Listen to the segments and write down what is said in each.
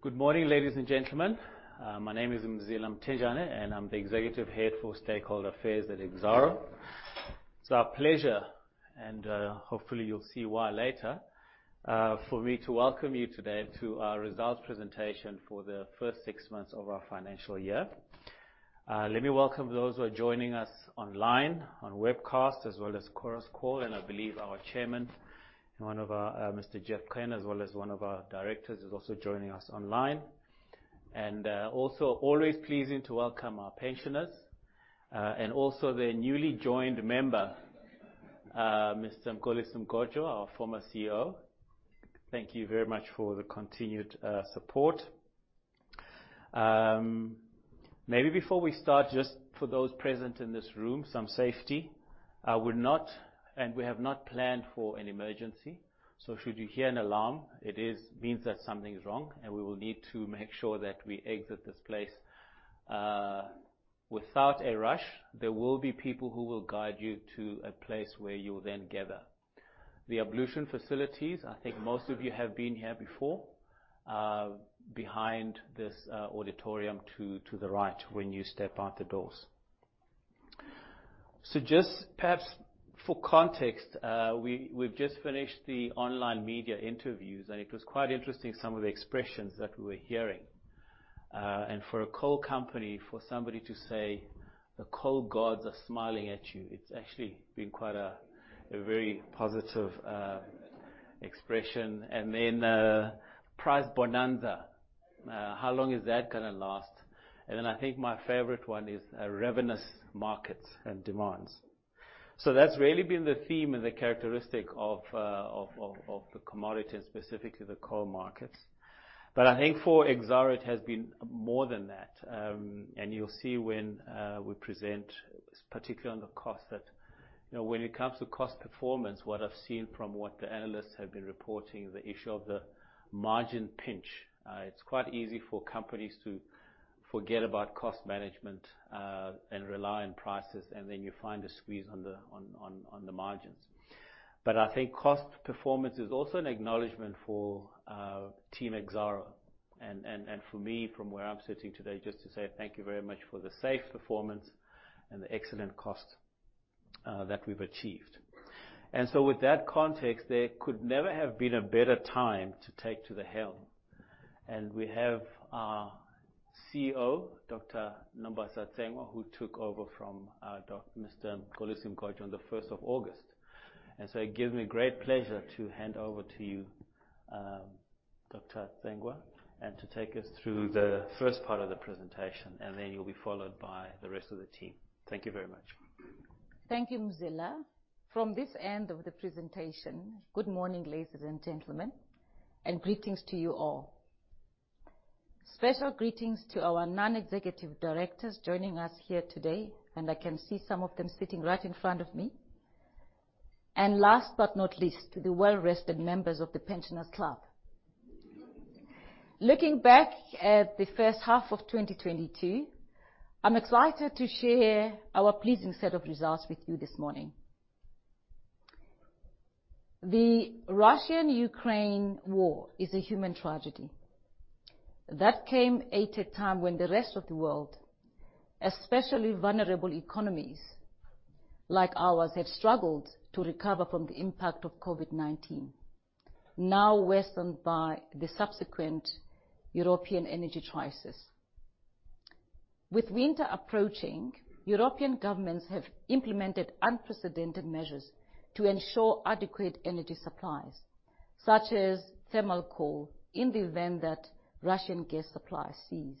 Good morning, ladies and gentlemen. My name is Mzila Mthenjane, and I'm the executive head for stakeholder affairs at Exxaro. It's our pleasure, and hopefully you'll see why later, for me to welcome you today to our results presentation for the first six months of our financial year. Let me welcome those who are joining us online on webcast as well as Chorus Call, and I believe our chairman, Mr. Mvuleni Geoffrey Qhena, as well as one of our directors is also joining us online. also always pleasing to welcome our pensioners, and also their newly joined member, Mr. Mxolisi Mgojo, our former CEO. Thank you very much for the continued support. Maybe before we start, just for those present in this room, some safety. We have not planned for an emergency, so should you hear an alarm, means that something is wrong, and we will need to make sure that we exit this place without a rush. There will be people who will guide you to a place where you'll then gather. The ablution facilities, I think most of you have been here before, behind this auditorium to the right when you step out the doors. So just perhaps for context, we've just finished the online media interviews and it was quite interesting some of the expressions that we were hearing. For a coal company, for somebody to say, "The coal gods are smiling at you," it's actually been quite a very positive expression. Price bonanza, how long is that gonna last? I think my favorite one is ravenous markets and demands. That's really been the theme and the characteristic of the commodity and specifically the coal markets. I think for Exxaro it has been more than that. You'll see when we present, particularly on the cost that when it comes to cost performance, what I've seen from what the analysts have been reporting, the issue of the margin pinch. It's quite easy for companies to forget about cost management and rely on prices, and then you find a squeeze on the margins. I think cost performance is also an acknowledgement for Team Exxaro and for me from where I'm sitting today, just to say thank you very much for the safe performance and the excellent cost that we've achieved. With that context, there could never have been a better time to take to the helm. We have our CEO, Dr. Nombasa Tsengwa, who took over from Mr. Mxolisi Mgojo on the first of August. It gives me great pleasure to hand over to you, Dr. Tsengwa, and to take us through the first part of the presentation, and then you'll be followed by the rest of the team. Thank you very much. Thank you, Mzila. From this end of the presentation, good morning, ladies and gentlemen, and greetings to you all. Special greetings to our non-executive directors joining us here today, and I can see some of them sitting right in front of me. Last but not least, to the well-rested members of the Pensioners Club. Looking back at the first half of 2022, I'm excited to share our pleasing set of results with you this morning. The Russia and Ukraine war is a human tragedy. That came at a time when the rest of the world, especially vulnerable economies like ours, had struggled to recover from the impact of COVID-19, now worsened by the subsequent European energy crisis. With winter approaching, European governments have implemented unprecedented measures to ensure adequate energy supplies, such as thermal coal, in the event that Russian gas supplies cease.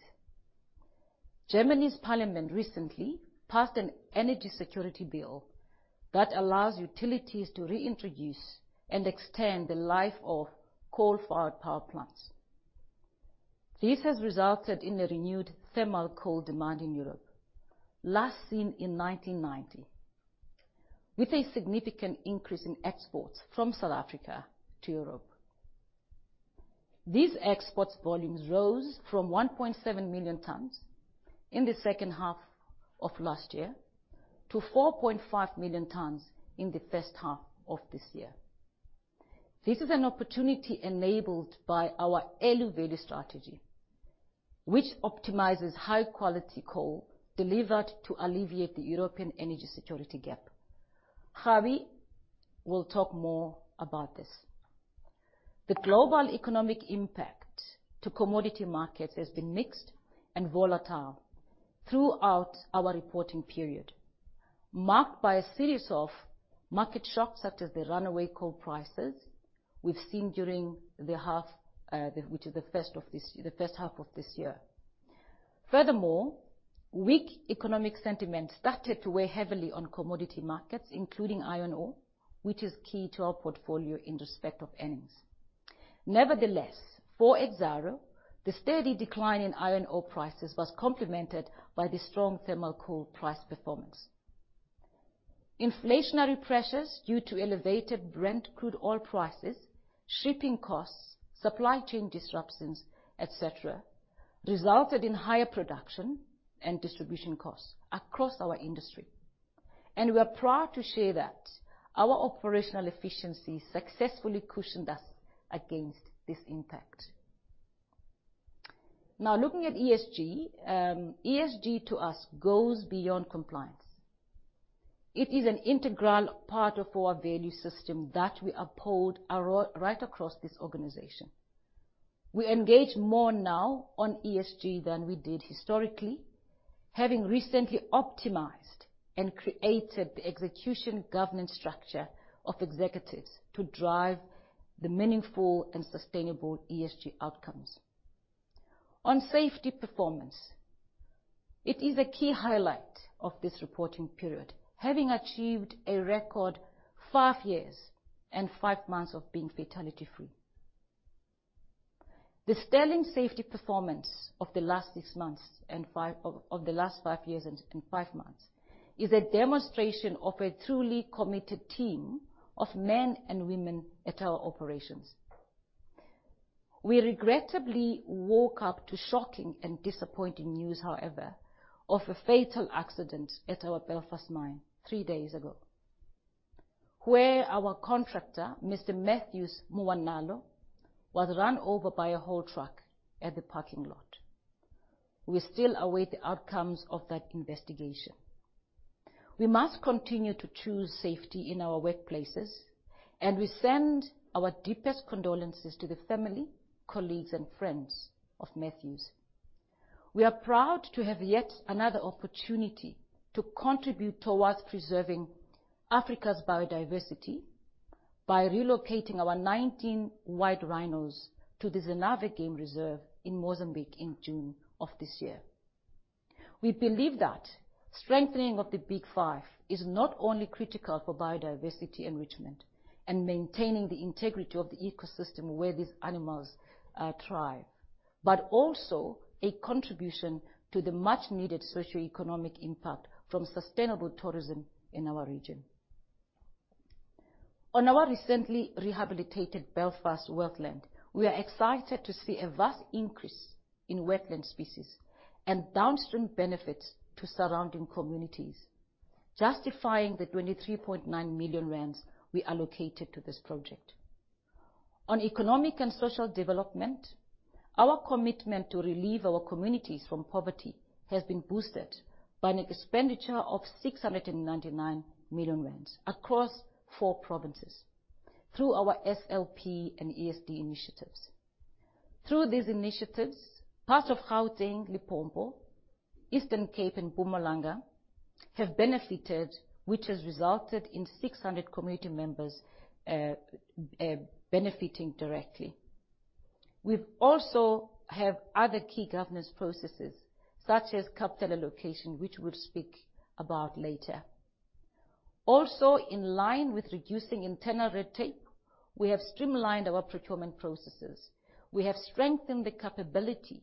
Germany's parliament recently passed an energy security bill that allows utilities to reintroduce and extend the life of coal-fired power plants. This has resulted in a renewed thermal coal demand in Europe, last seen in 1990, with a significant increase in exports from South Africa to Europe. These exports volumes rose from 1.7 million tons in the second half of last year to 4.5 million tons in the first half of this year. This is an opportunity enabled by our Eluvale strategy, which optimizes high-quality coal delivered to alleviate the European energy security gap. Harvey will talk more about this. The global economic impact to commodity markets has been mixed and volatile throughout our reporting period, marked by a series of market shocks such as the runaway coal prices we've seen during the first half of this year. Furthermore, weak economic sentiment started to weigh heavily on commodity markets, including iron ore, which is key to our portfolio in respect of earnings. Nevertheless, for Exxaro, the steady decline in iron ore prices was complemented by the strong thermal coal price performance. Inflationary pressures due to elevated Brent crude oil prices, shipping costs, supply chain disruptions, et cetera, resulted in higher production and distribution costs across our industry. We are proud to share that our operational efficiency successfully cushioned us against this impact. Now looking at ESG to us goes beyond compliance. It is an integral part of our value system that we uphold upright across this organization. We engage more now on ESG than we did historically, having recently optimized and created the execution governance structure of executives to drive the meaningful and sustainable ESG outcomes. On safety performance, it is a key highlight of this reporting period, having achieved a record 5 years and 5 months of being fatality-free. The sterling safety performance of the last 6 months of the last 5 years and 5 months is a demonstration of a truly committed team of men and women at our operations. We regrettably woke up to shocking and disappointing news, however, of a fatal accident at our Belfast mine 3 days ago, where our contractor, Mr. Matthews Muwanalo, was run over by a haul truck at the parking lot. We still await the outcomes of that investigation. We must continue to choose safety in our workplaces, and we send our deepest condolences to the family, colleagues, and friends of Matthews. We are proud to have yet another opportunity to contribute towards preserving Africa's biodiversity by relocating our 19 white rhinos to the Zinave Game Reserve in Mozambique in June of this year. We believe that strengthening of the Big Five is not only critical for biodiversity enrichment and maintaining the integrity of the ecosystem where these animals thrive, but also a contribution to the much-needed socioeconomic impact from sustainable tourism in our region. On our recently rehabilitated Belfast wetland, we are excited to see a vast increase in wetland species and downstream benefits to surrounding communities, justifying the 23.9 million rand we allocated to this project. On economic and social development, our commitment to relieve our communities from poverty has been boosted by an expenditure of 699 million rand across four provinces through our SLP and ESD initiatives. Through these initiatives, parts of Gauteng, Limpopo, Eastern Cape, and Mpumalanga have benefited, which has resulted in 600 community members benefiting directly. We've also have other key governance processes, such as capital allocation, which we'll speak about later. In line with reducing internal red tape, we have streamlined our procurement processes. We have strengthened the capability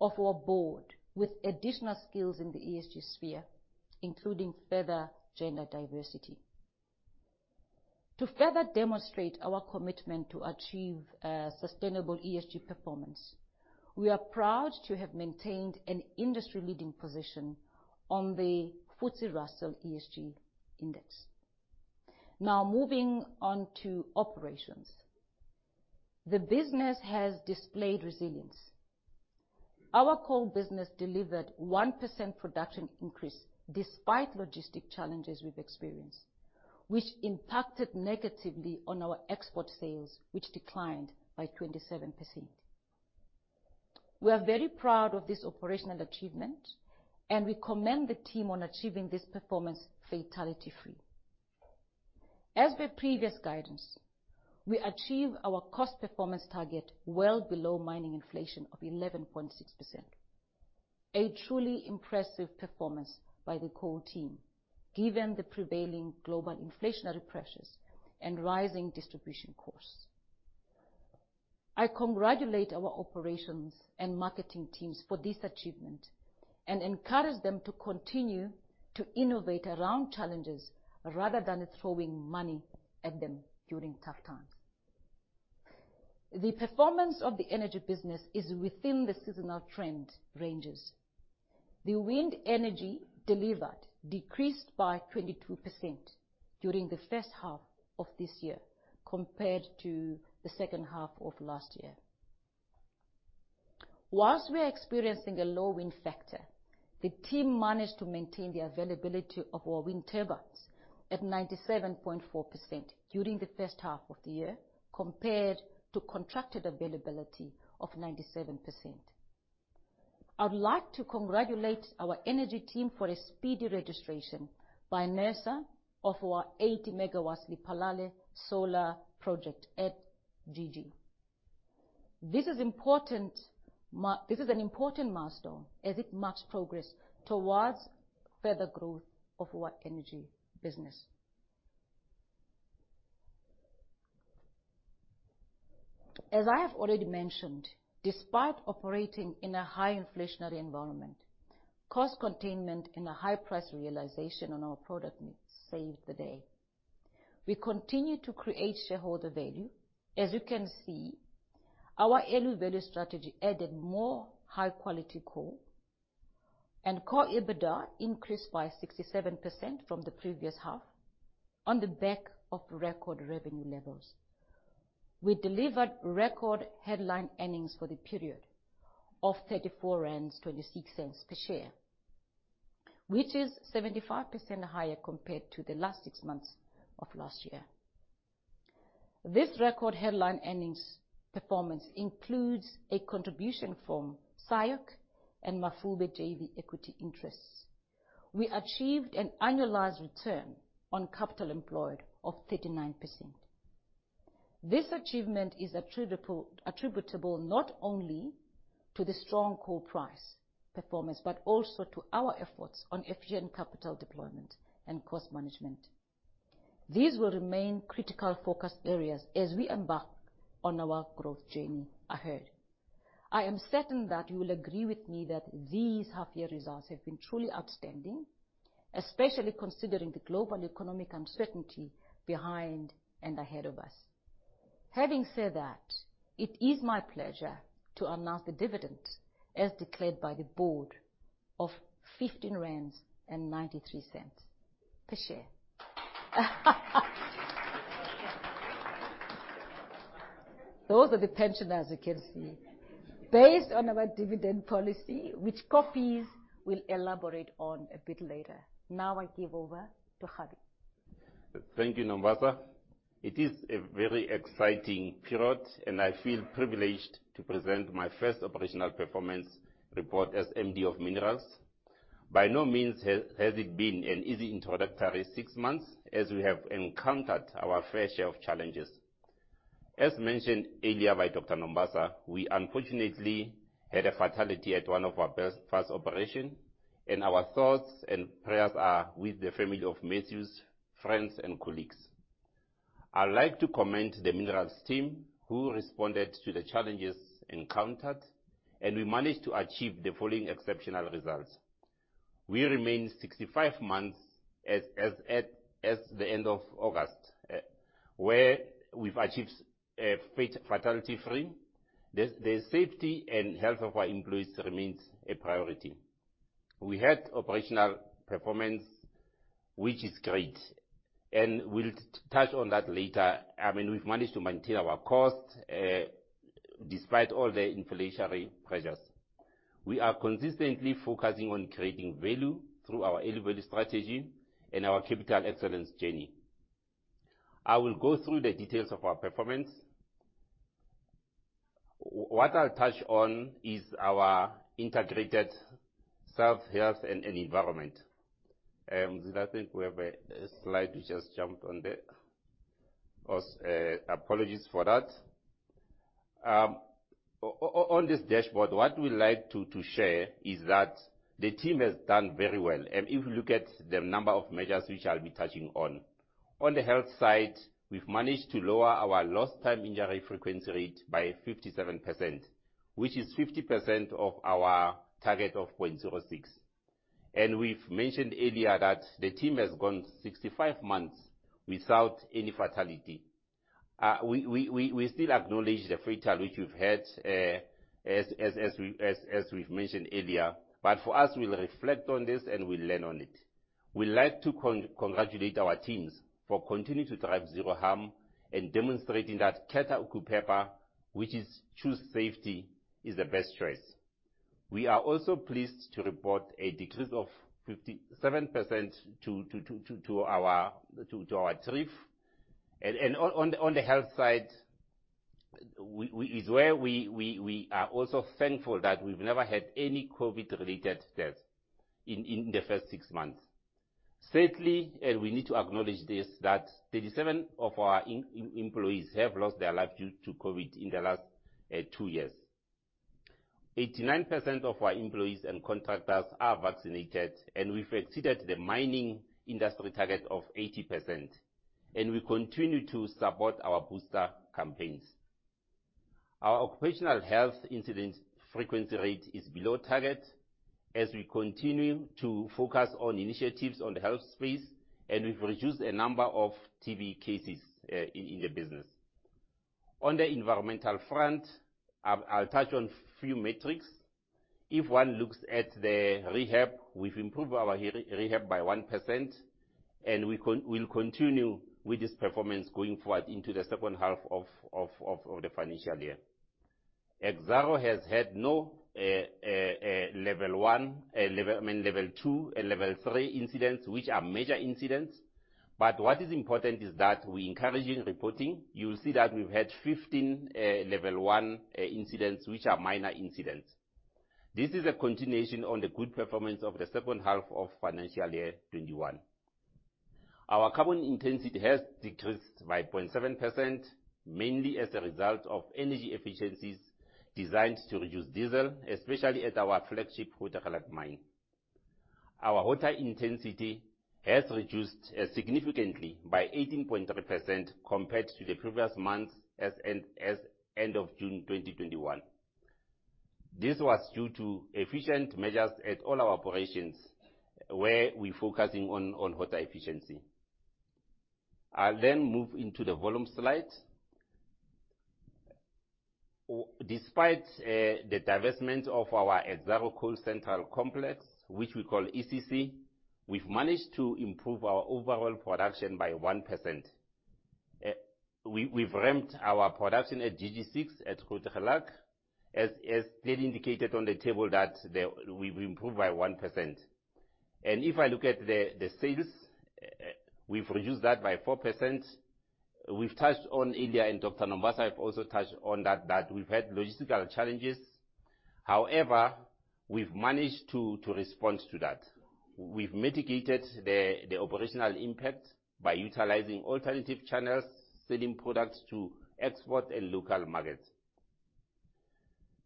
of our board with additional skills in the ESG sphere, including further gender diversity. To further demonstrate our commitment to achieve a sustainable ESG performance, we are proud to have maintained an industry leading position on the FTSE Russell ESG Index. Now moving on to operations. The business has displayed resilience. Our coal business delivered 1% production increase despite logistic challenges we've experienced, which impacted negatively on our export sales, which declined by 27%. We are very proud of this operational achievement, and we commend the team on achieving this performance fatality-free. As with previous guidance, we achieved our cost performance target well below mining inflation of 11.6%. A truly impressive performance by the coal team, given the prevailing global inflationary pressures and rising distribution costs. I congratulate our operations and marketing teams for this achievement and encourage them to continue to innovate around challenges rather than throwing money at them during tough times. The performance of the energy business is within the seasonal trend ranges. The wind energy delivered decreased by 22% during the first half of this year compared to the second half of last year. While we are experiencing a low wind factor, the team managed to maintain the availability of our wind turbines at 97.4% during the first half of the year compared to contracted availability of 97%. I would like to congratulate our energy team for a speedy registration by NERSA of our 80 MW Lephalale Solar Project at Grootegeluk. This is an important milestone as it marks progress towards further growth of our energy business. As I have already mentioned, despite operating in a high inflationary environment, cost containment and a high price realization on our product mix saved the day. We continue to create shareholder value. As you can see, our value strategy added more high quality coal, and core EBITDA increased by 67% from the previous half on the back of record revenue levels. We delivered record headline earnings for the period of 34.26 rand per share, which is 75% higher compared to the last six months of last year. This record headline earnings performance includes a contribution from SIOC and Mafube JV equity interests. We achieved an annualized return on capital employed of 39%. This achievement is attributable not only to the strong coal price performance, but also to our efforts on efficient capital deployment and cost management. These will remain critical focus areas as we embark on our growth journey ahead. I am certain that you will agree with me that these half year results have been truly outstanding, especially considering the global economic uncertainty behind and ahead of us. Having said that, it is my pleasure to announce the dividend as declared by the board of 15.93 rand per share. Those are the pensioners you can see. Based on our dividend policy, which copies we'll elaborate on a bit later. Now I give over to Havi. Thank you, Nombasa. It is a very exciting period, and I feel privileged to present my first operational performance report as MD of Minerals. By no means has it been an easy introductory six months as we have encountered our fair share of challenges. As mentioned earlier by Dr. Nombasa, we unfortunately had a fatality at one of our best first operation, and our thoughts and prayers are with the family of Matthews, friends and colleagues. I'd like to commend the minerals team who responded to the challenges encountered, and we managed to achieve the following exceptional results. We remain 65 months as at the end of August, where we've achieved fatality free. The safety and health of our employees remains a priority. We had operational performance, which is great, and we'll touch on that later. I mean, we've managed to maintain our cost, despite all the inflationary pressures. We are consistently focusing on creating value through our value strategy and our capital excellence journey. I will go through the details of our performance. What I'll touch on is our integrated self-health and environment. I think we have a slide which has jumped on there. Apologies for that. On this dashboard, what we like to share is that the team has done very well. If you look at the number of measures which I'll be touching on. On the health side, we've managed to lower our lost time injury frequency rate by 57%, which is 50% of our target of 0.06. We've mentioned earlier that the team has gone 65 months without any fatality. We still acknowledge the fatal which we've had, as we've mentioned earlier. For us, we'll reflect on this, and we'll learn on it. We like to congratulate our teams for continuing to drive zero harm and demonstrating that Khetha Ukuphepha, which is choose safety, is the best choice. We are also pleased to report a decrease of 57% to our TRIF. On the health side, we are also thankful that we've never had any COVID-related deaths in the first six months. Sadly, we need to acknowledge this, that 37 of our employees have lost their lives due to COVID in the last two years. 89% of our employees and contractors are vaccinated, and we've exceeded the mining industry target of 80%, and we continue to support our booster campaigns. Our operational health incident frequency rate is below target as we continue to focus on initiatives on the health space, and we've reduced a number of TB cases in the business. On the environmental front, I'll touch on few metrics. If one looks at the rehab, we've improved our rehab by 1%, and we'll continue with this performance going forward into the second half of the financial year. Exxaro has had no level one, I mean level two and level three incidents, which are major incidents. What is important is that we encouraging reporting. You'll see that we've had 15 level one incidents, which are minor incidents. This is a continuation of the good performance of the second half of financial year 2021. Our carbon intensity has decreased by 0.7%, mainly as a result of energy efficiencies designed to reduce diesel, especially at our flagship Grootegeluk mine. Our water intensity has reduced significantly by 18.3% compared to the previous months as at end of June 2021. This was due to efficient measures at all our operations where we're focusing on water efficiency. I'll then move into the volume slide. Despite the divestment of our Exxaro Coal Central complex, which we call ECC, we've managed to improve our overall production by 1%. We've ramped our production at DG6, at Goedgevlei, as Dave indicated on the table that the. We've improved by 1%. If I look at the sales, we've reduced that by 4%. We've touched on earlier, and Dr. Nombasa have also touched on that we've had logistical challenges. However, we've managed to respond to that. We've mitigated the operational impact by utilizing alternative channels, selling products to export and local markets.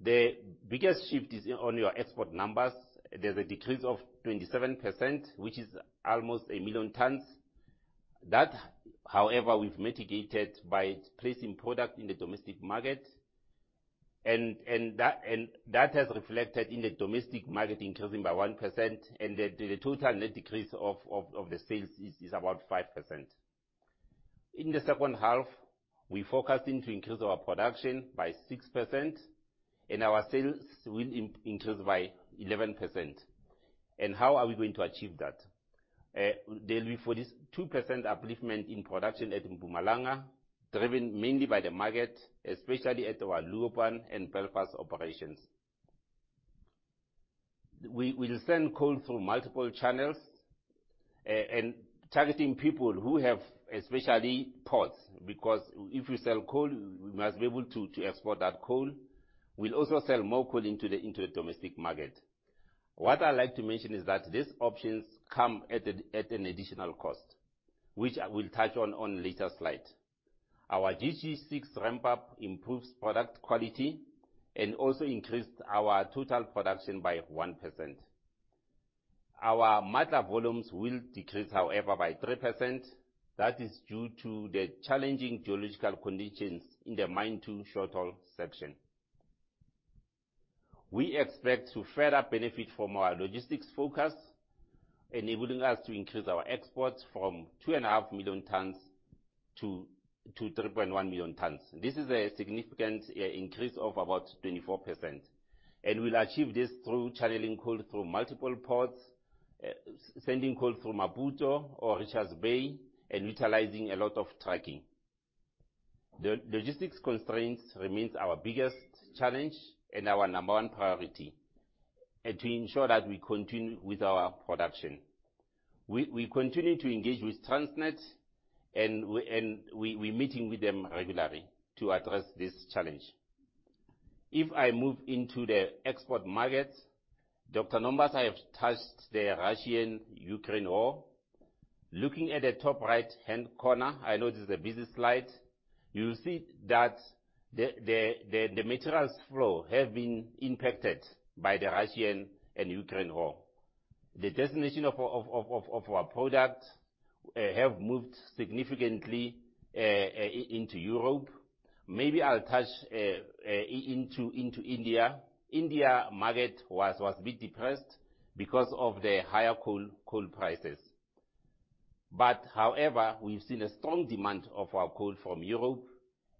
The biggest shift is on your export numbers. There's a decrease of 27%, which is almost 1 million tons. That, however, we've mitigated by placing product in the domestic market, and that has reflected in the domestic market increasing by 1%, and the total net decrease of the sales is about 5%. In the second half, we're forecasting to increase our production by 6%, and our sales will increase by 11%. How are we going to achieve that? There'll be 42% upliftment in production at Mpumalanga, driven mainly by the market, especially at our Leeupan and Belfast operations. We'll send coal through multiple channels, and targeting people who have especially ports, because if we sell coal, we must be able to export that coal. We'll also sell more coal into the domestic market. What I'd like to mention is that these options come at an additional cost, which we'll touch on later slide. Our DG6 ramp-up improves product quality and also increased our total production by 1%. Our Matla volumes will decrease, however, by 3%. That is due to the challenging geological conditions in the mine two short haul section. We expect to further benefit from our logistics focus, enabling us to increase our exports from 2.5 million tons to 3.1 million tons. This is a significant increase of about 24%, and we'll achieve this through channeling coal through multiple ports, sending coal through Maputo or Richards Bay, and utilizing a lot of trucking. The logistics constraints remains our biggest challenge and our number one priority to ensure that we continue with our production. We continue to engage with Transnet and we meet with them regularly to address this challenge. If I move into the export markets, Dr. Nombasa Tsengwa have touched the Russia-Ukraine war. Looking at the top right-hand corner, I know this is a busy slide. You'll see that the materials flow have been impacted by the Russia-Ukraine war. The destination of our products into Europe. Maybe I'll touch into India. India market was a bit depressed because of the higher coal prices. However, we've seen a strong demand of our coal from Europe,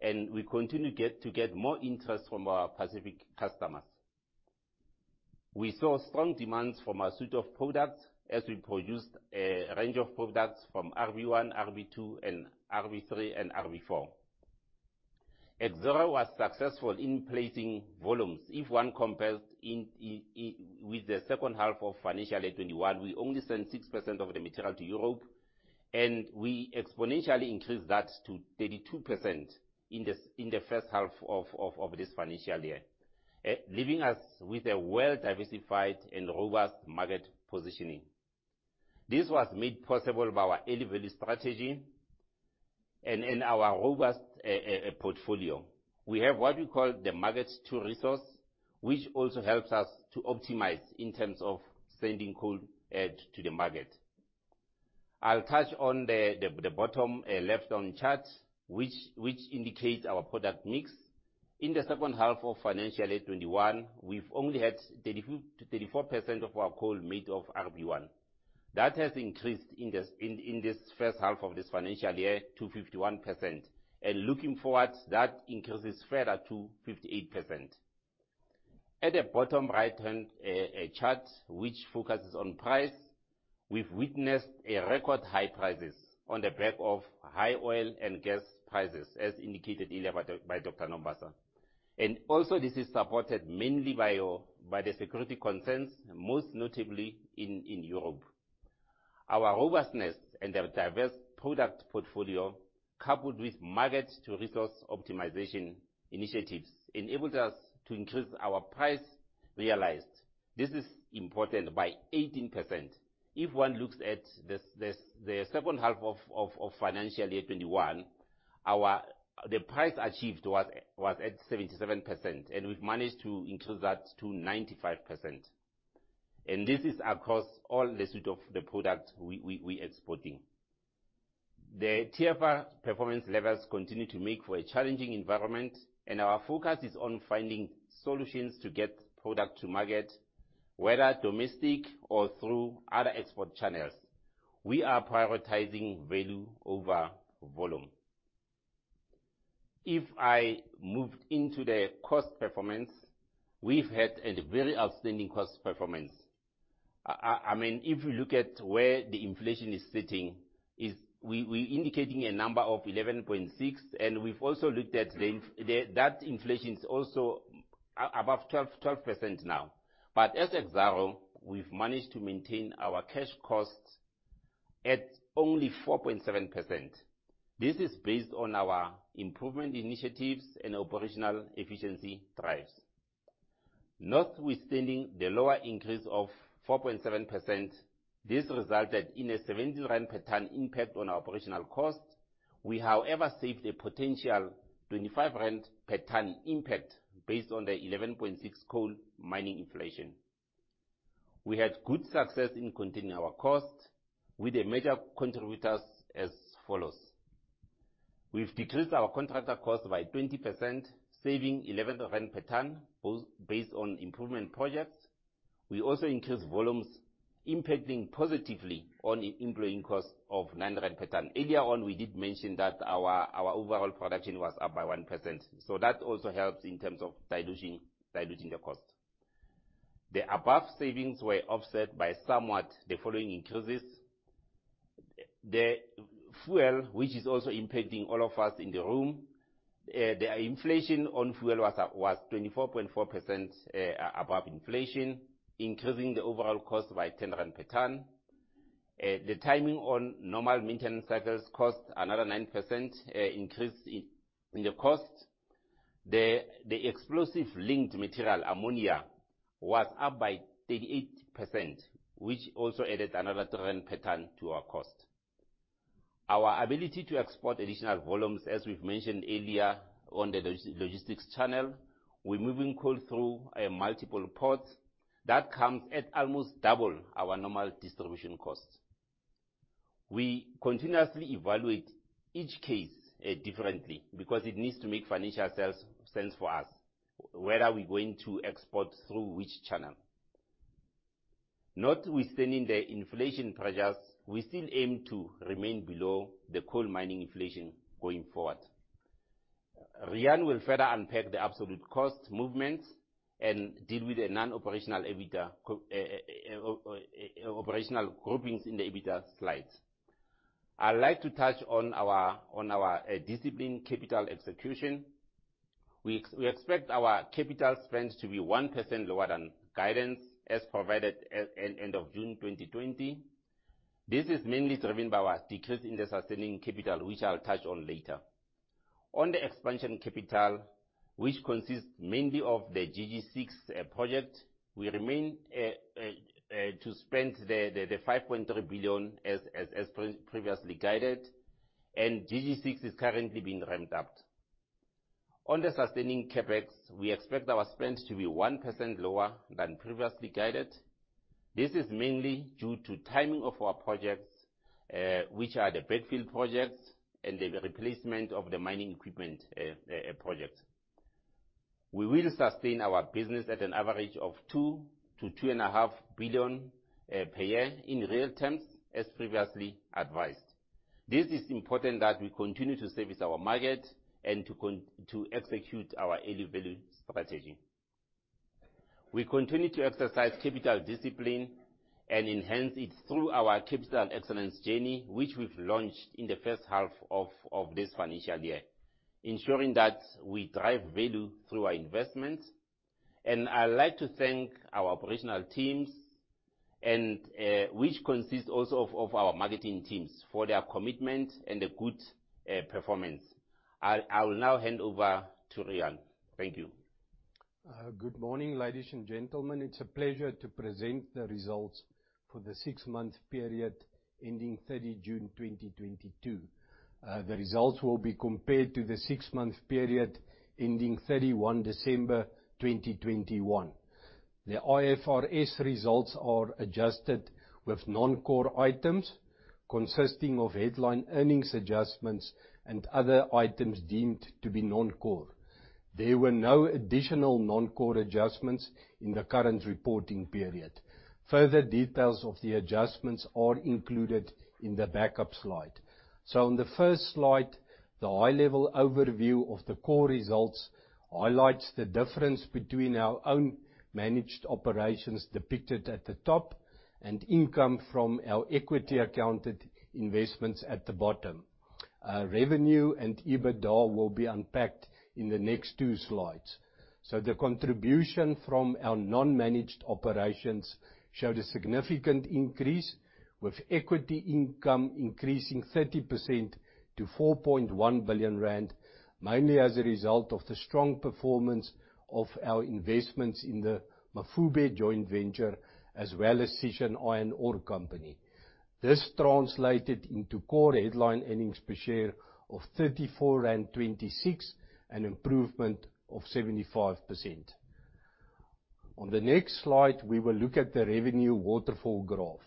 and we continue to get more interest from our Pacific customers. We saw strong demands from our suite of products as we produced a range of products from RB1, RB2, and RB3, and RB4. Exxaro was successful in placing volumes. With the second half of financial year 2021, we only sent 6% of the material to Europe, and we exponentially increased that to 32% in the first half of this financial year, leaving us with a well-diversified and robust market positioning. This was made possible by our early value strategy and our robust portfolio. We have what we call the markets to resource, which also helps us to optimize in terms of sending coal to the market. I'll touch on the bottom left-hand chart, which indicates our product mix. In the second half of financial year 2021, we've only had 34% of our coal made of RB1. That has increased in this first half of this financial year to 51%. Looking forward, that increases further to 58%. At the bottom right-hand chart, which focuses on price, we've witnessed record high prices on the back of high oil and gas prices, as indicated earlier by Dr. Nombasa. This is supported mainly by the security concerns, most notably in Europe. Our robustness and our diverse product portfolio, coupled with market to resource optimization initiatives, enabled us to increase our price realized. This is important by 18%. If one looks at the second half of financial year 2021, our price achieved was at 77%, and we've managed to increase that to 95%. This is across all the suite of the products we're exporting. The TFR performance levels continue to make for a challenging environment, and our focus is on finding solutions to get product to market, whether domestic or through other export channels. We are prioritizing value over volume. If I moved into the cost performance, we've had a very outstanding cost performance. I mean, if you look at where the inflation is sitting, we're indicating a number of 11.6, and we've also looked at that inflation's also above 12% now. As Exxaro, we've managed to maintain our cash costs at only 4.7%. This is based on our improvement initiatives and operational efficiency drives. Notwithstanding the lower increase of 4.7%, this resulted in a 70 rand per ton impact on our operational costs. We, however, saved a potential 25 rand per ton impact based on the 11.6 coal mining inflation. We had good success in containing our costs, with the major contributors as follows. We've decreased our contractor costs by 20%, saving 11 rand per ton, based on improvement projects. We also increased volumes impacting positively on employing costs of 9 rand per ton. Earlier on, we did mention that our overall production was up by 1%, so that also helps in terms of diluting the costs. The above savings were offset by some of the following increases. The fuel, which is also impacting all of us in the room, the inflation on fuel was 24.4% above inflation, increasing the overall cost by 10 rand per ton. The timing on normal maintenance cycles cost another 9% increase in the cost. The explosive linked material, ammonia, was up by 38%, which also added another ZAR 10 per ton to our cost. Our ability to export additional volumes, as we've mentioned earlier on the logistics channel, we're moving coal through multiple ports that comes at almost double our normal distribution costs. We continuously evaluate each case differently because it needs to make financial sense for us, whether we're going to export through which channel. Notwithstanding the inflation pressures, we still aim to remain below the coal mining inflation going forward. Rian will further unpack the absolute cost movements and deal with the non-operational EBITDA core operational groupings in the EBITDA slides. I'd like to touch on our disciplined capital execution. We expect our capital spend to be 1% lower than guidance as provided at end of June 2020. This is mainly driven by our decrease in the sustaining capital, which I'll touch on later. On the expansion capital, which consists mainly of the GG6 project, we remain to spend the 5.3 billion as previously guided, and GG6 is currently being ramped up. On the sustaining CapEx, we expect our spend to be 1% lower than previously guided. This is mainly due to timing of our projects, which are the backfill projects and the replacement of the mining equipment project. We will sustain our business at an average of 2-2.5 billion per year in real terms as previously advised. This is important that we continue to service our market and to execute our early value strategy. We continue to exercise capital discipline and enhance it through our capital excellence journey, which we've launched in the first half of this financial year, ensuring that we drive value through our investments. I'd like to thank our operational teams and which consists also of our marketing teams for their commitment and the good performance. I will now hand over to Riaan. Thank you. Good morning, ladies and gentlemen. It's a pleasure to present the results for the six-month period ending 30 June 2022. The results will be compared to the six-month period ending 31 December 2021. The IFRS results are adjusted with non-core items consisting of headline earnings adjustments and other items deemed to be non-core. There were no additional non-core adjustments in the current reporting period. Further details of the adjustments are included in the backup slide. On the first slide, the high level overview of the core results highlights the difference between our own managed operations depicted at the top and income from our equity accounted investments at the bottom. Revenue and EBITDA will be unpacked in the next two slides. The contribution from our non-managed operations showed a significant increase, with equity income increasing 30% to 4.1 billion rand, mainly as a result of the strong performance of our investments in the Mafube joint venture, as well as Sishen Iron Ore Company. This translated into core headline earnings per share of 34.26, an improvement of 75%. On the next slide, we will look at the revenue waterfall graph.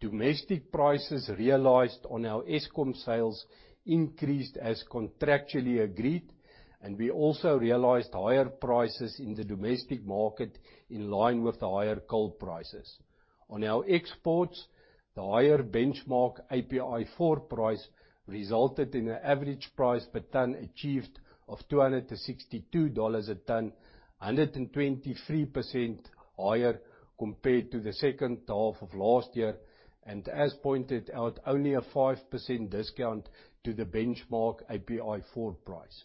Domestic prices realized on our Eskom sales increased as contractually agreed, and we also realized higher prices in the domestic market in line with the higher coal prices. On our exports, the higher benchmark API Four price resulted in an average price per ton achieved of $262 a ton, 123% higher compared to the second half of last year. As pointed out, only a 5% discount to the benchmark API4 price.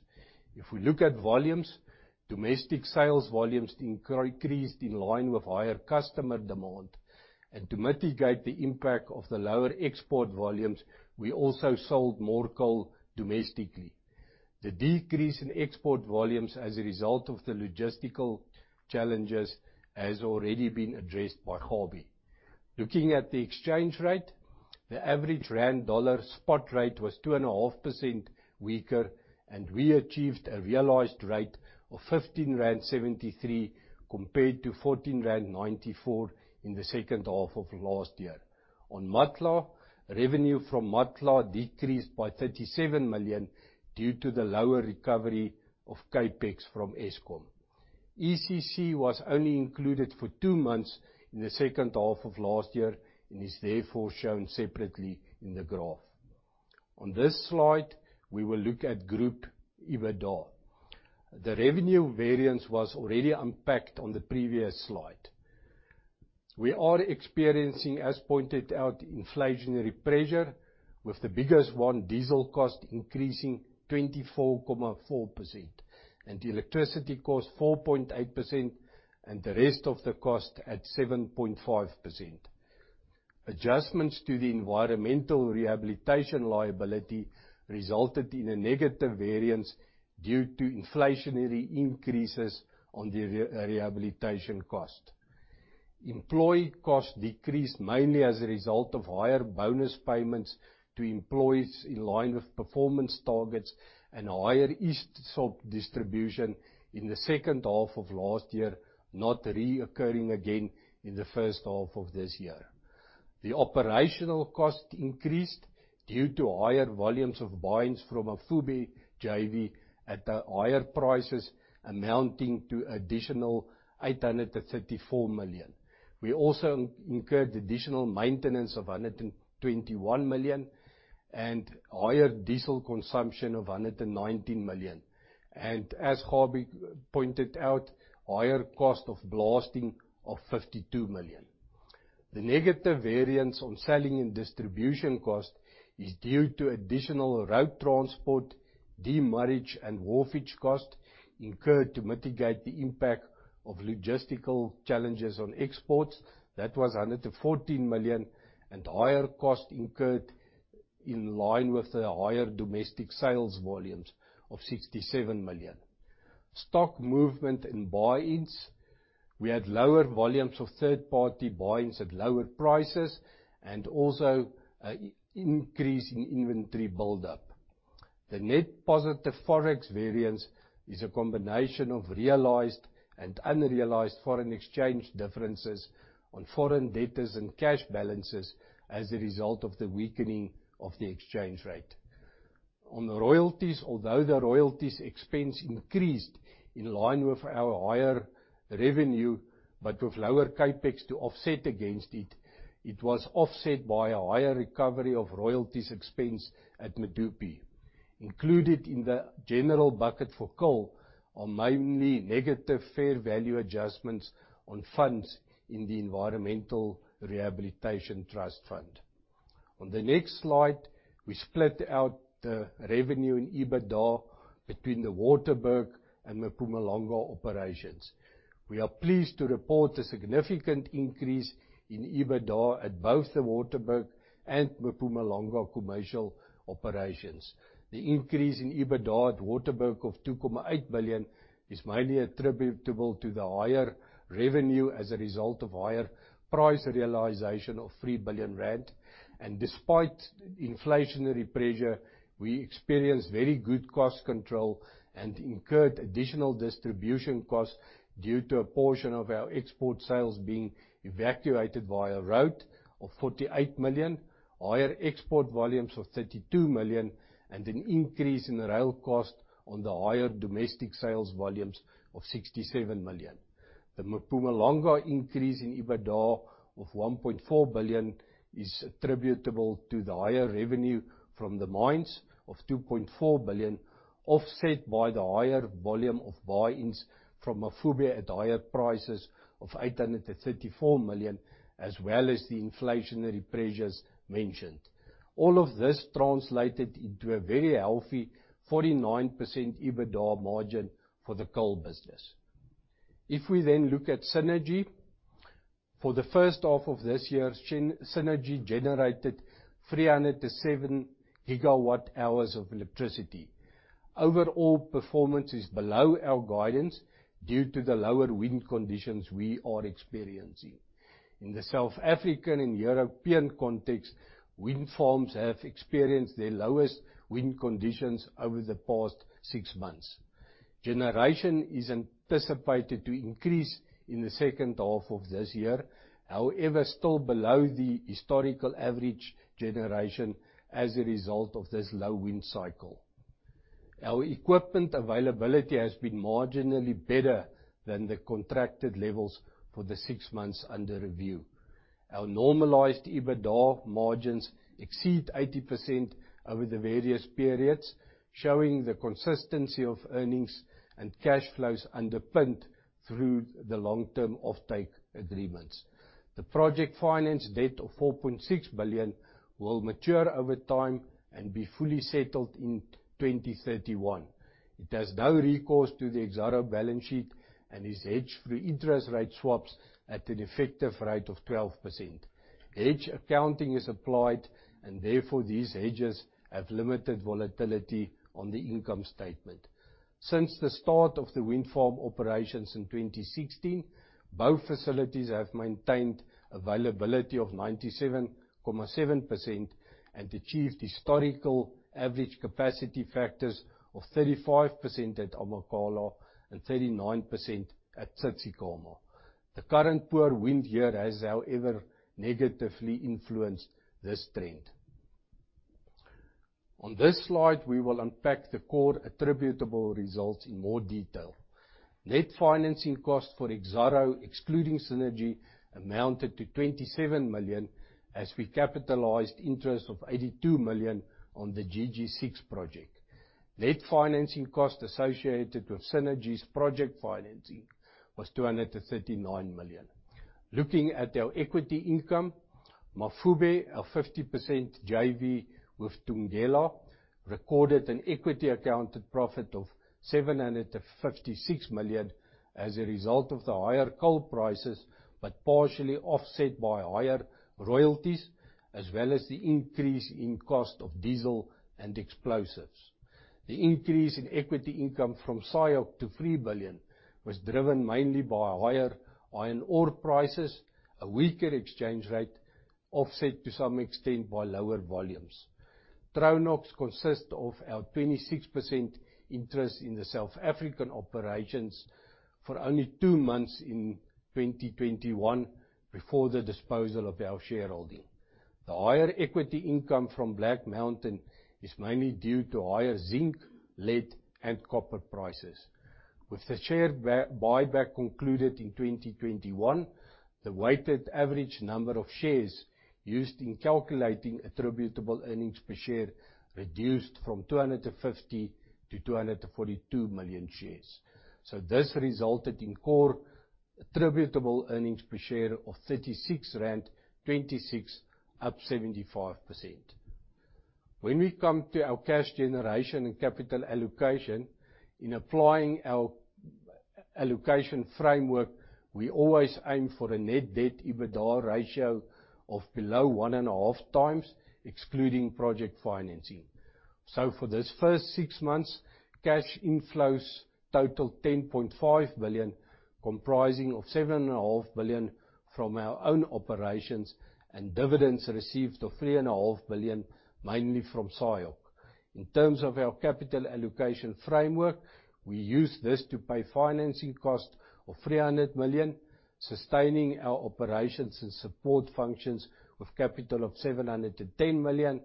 If we look at volumes, domestic sales volumes increased in line with higher customer demand. To mitigate the impact of the lower export volumes, we also sold more coal domestically. The decrease in export volumes as a result of the logistical challenges has already been addressed by Harvey. Looking at the exchange rate, the average rand dollar spot rate was 2.5% weaker, and we achieved a realized rate of 15.73 rand compared to 14.94 rand in the second half of last year. On Matla, revenue from Matla decreased by 37 million due to the lower recovery of CapEx from Eskom. ECC was only included for two months in the second half of last year and is therefore shown separately in the graph. On this slide, we will look at group EBITDA. The revenue variance was already unpacked on the previous slide. We are experiencing, as pointed out, inflationary pressure with the biggest one diesel cost increasing 24.4% and electricity cost 4.8% and the rest of the cost at 7.5%. Adjustments to the environmental rehabilitation liability resulted in a negative variance due to inflationary increases on the rehabilitation cost. Employee costs decreased mainly as a result of higher bonus payments to employees in line with performance targets and higher ESOP distribution in the second half of last year, not recurring again in the first half of this year. The operational costs increased due to higher volumes of buy-ins from Mafube JV at higher prices amounting to additional 834 million. We also incurred additional maintenance of 121 million and higher diesel consumption of 119 million. As Harvey pointed out, higher cost of blasting of 52 million. The negative variance on selling and distribution cost is due to additional road transport, demurrage and wharfage cost incurred to mitigate the impact of logistical challenges on exports. That was 114 million and higher cost incurred in line with the higher domestic sales volumes of 67 million. Stock movement and buy-ins. We had lower volumes of third party buy-ins at lower prices and also an increase in inventory buildup. The net positive Forex variance is a combination of realized and unrealized foreign exchange differences on foreign debtors and cash balances as a result of the weakening of the exchange rate. On royalties, although the royalties expense increased in line with our higher revenue, but with lower CapEx to offset against it was offset by a higher recovery of royalties expense at Medupi. Included in the general bucket for coal are mainly negative fair value adjustments on funds in the Environmental Rehabilitation Trust Fund. On the next slide, we split out the revenue and EBITDA between the Waterberg and Mpumalanga operations. We are pleased to report a significant increase in EBITDA at both the Waterberg and Mpumalanga commercial operations. The increase in EBITDA at Waterberg of 2.8 billion is mainly attributable to the higher revenue as a result of higher price realization of 3 billion rand. Despite inflationary pressure, we experienced very good cost control and incurred additional distribution costs due to a portion of our export sales being evacuated via road of 48 million, higher export volumes of 32 million, and an increase in rail cost on the higher domestic sales volumes of 67 million. The Mpumalanga increase in EBITDA of 1.4 billion is attributable to the higher revenue from the mines of 2.4 billion, offset by the higher volume of buy-ins from Mafube at higher prices of 834 million, as well as the inflationary pressures mentioned. All of this translated into a very healthy 49% EBITDA margin for the coal business. If we then look at Cennergi. For the first half of this year, Cennergi generated 307 GWh of electricity. Overall performance is below our guidance due to the lower wind conditions we are experiencing. In the South African and European context, wind farms have experienced their lowest wind conditions over the past 6 months. Generation is anticipated to increase in the second half of this year, however, still below the historical average generation as a result of this low wind cycle. Our equipment availability has been marginally better than the contracted levels for the 6 months under review. Our normalized EBITDA margins exceed 80% over the various periods, showing the consistency of earnings and cash flows underpinned through the long-term offtake agreements. The project finance debt of 4.6 billion will mature over time and be fully settled in 2031. It has no recourse to the Exxaro balance sheet and is hedged through interest rate swaps at an effective rate of 12%. Hedge accounting is applied, and therefore these hedges have limited volatility on the income statement. Since the start of the wind farm operations in 2016, both facilities have maintained availability of 97.7% and achieved historical average capacity factors of 35% at Amakhala and 39% at Tsitsikamma. The current poor wind year has, however, negatively influenced this trend. On this slide, we will unpack the core attributable results in more detail. Net financing cost for Exxaro, excluding synergy, amounted to 27 million, as we capitalized interest of 82 million on the GG6 project. Net financing cost associated with synergy's project financing was 239 million. Looking at our equity income, Mafube, our 50% JV with Thungela, recorded an equity accounted profit of 756 million as a result of the higher coal prices, but partially offset by higher royalties, as well as the increase in cost of diesel and explosives. The increase in equity income from SIOC to 3 billion was driven mainly by higher iron ore prices, a weaker exchange rate, offset to some extent by lower volumes. Tronox consists of our 26% interest in the South African operations for only 2 months in 2021 before the disposal of our shareholding. The higher equity income from Black Mountain is mainly due to higher zinc, lead, and copper prices. With the share buyback concluded in 2021, the weighted average number of shares used in calculating attributable earnings per share reduced from 250 to 242 million shares. This resulted in core attributable earnings per share of 36.26 rand, up 75%. When we come to our cash generation and capital allocation, in applying our allocation framework, we always aim for a net debt-EBITDA ratio of below 1.5x, excluding project financing. For this first six months, cash inflows total 10.5 billion, comprising of 7.5 billion from our own operations and dividends received of 3.5 billion, mainly from SIOC. In terms of our capital allocation framework, we use this to pay financing cost of 300 million, sustaining our operations and support functions with capital of 710 million,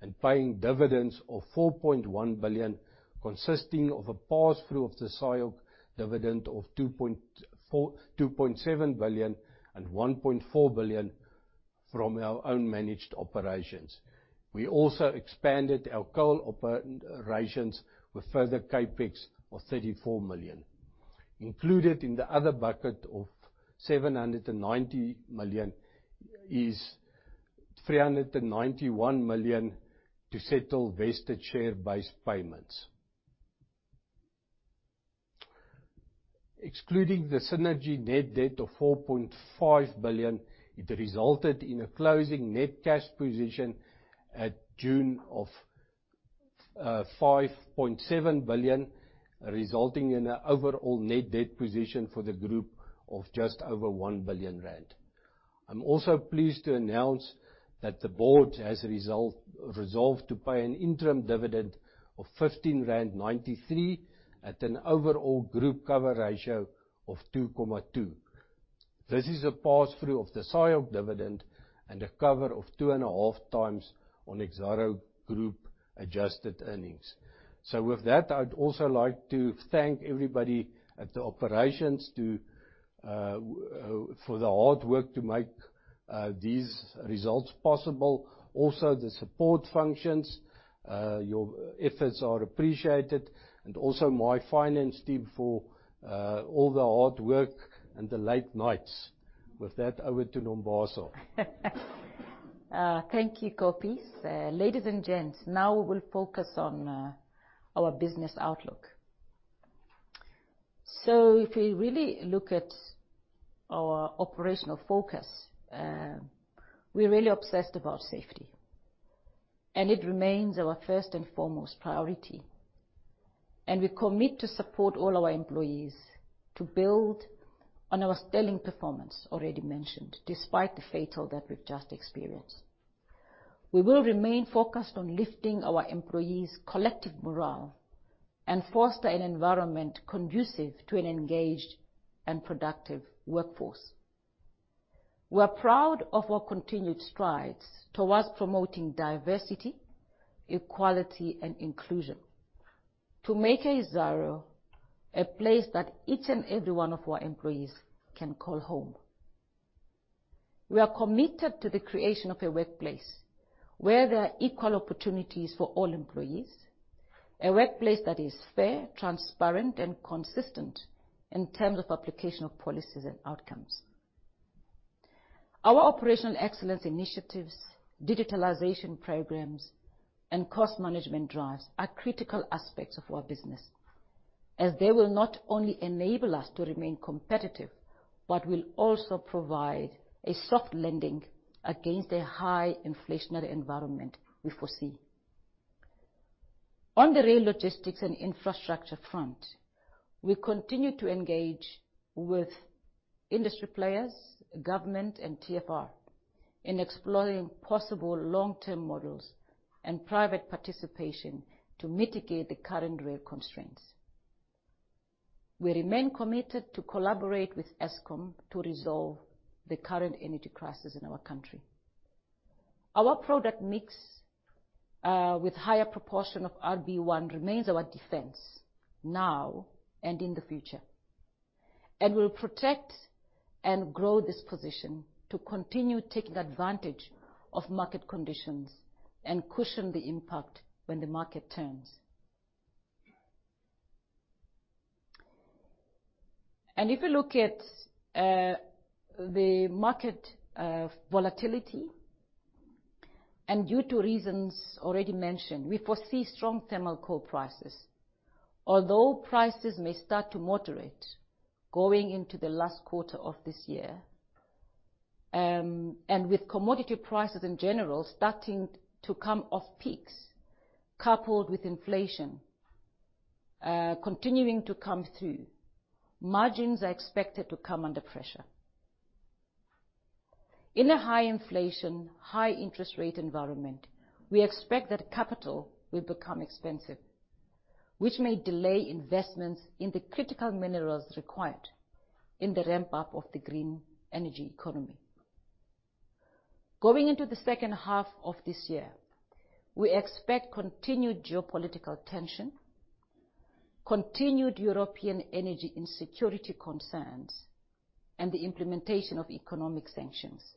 and paying dividends of 4.1 billion, consisting of a pass-through of the SIOC dividend of 2.7 billion and 1.4 billion from our own managed operations. We also expanded our coal operations with further CapEx of 34 million. Included in the other bucket of 790 million is 391 million to settle vested share-based payments. Excluding the synergy net debt of 4.5 billion, it resulted in a closing net cash position at June of 5.7 billion, resulting in an overall net debt position for the group of just over 1 billion rand. I'm also pleased to announce that the board has resolved to pay an interim dividend of 15.93 rand at an overall group cover ratio of 2.2. This is a pass-through of the SIOC dividend and a cover of 2.5 times on Exxaro Group adjusted earnings. With that, I'd also like to thank everybody at the operations for the hard work to make these results possible. Also, the support functions, your efforts are appreciated. Also my finance team for all the hard work and the late nights. With that, over to Nombasa. Thank you, Cobus. Ladies and gents, now we'll focus on our business outlook. If you really look at our operational focus, we're really obsessed about safety. It remains our first and foremost priority. We commit to support all our employees to build on our sterling performance already mentioned, despite the fatality that we've just experienced. We will remain focused on lifting our employees' collective morale and foster an environment conducive to an engaged and productive workforce. We're proud of our continued strides towards promoting diversity, equality, and inclusion to make Exxaro a place that each and every one of our employees can call home. We are committed to the creation of a workplace where there are equal opportunities for all employees, a workplace that is fair, transparent, and consistent in terms of application of policies and outcomes. Our operational excellence initiatives, digitalization programs, and cost management drives are critical aspects of our business, as they will not only enable us to remain competitive, but will also provide a soft landing against a high inflationary environment we foresee. On the rail logistics and infrastructure front, we continue to engage with industry players, government, and TFR in exploring possible long-term models and private participation to mitigate the current rail constraints. We remain committed to collaborate with Eskom to resolve the current energy crisis in our country. Our product mix with higher proportion of RB1 remains our defense now and in the future, and we'll protect and grow this position to continue taking advantage of market conditions and cushion the impact when the market turns. If you look at the market volatility, and due to reasons already mentioned, we foresee strong thermal coal prices. Although prices may start to moderate going into the last quarter of this year, and with commodity prices in general starting to come off peaks, coupled with inflation continuing to come through, margins are expected to come under pressure. In a high inflation, high interest rate environment, we expect that capital will become expensive, which may delay investments in the critical minerals required in the ramp-up of the green energy economy. Going into the second half of this year, we expect continued geopolitical tension, continued European energy insecurity concerns, and the implementation of economic sanctions.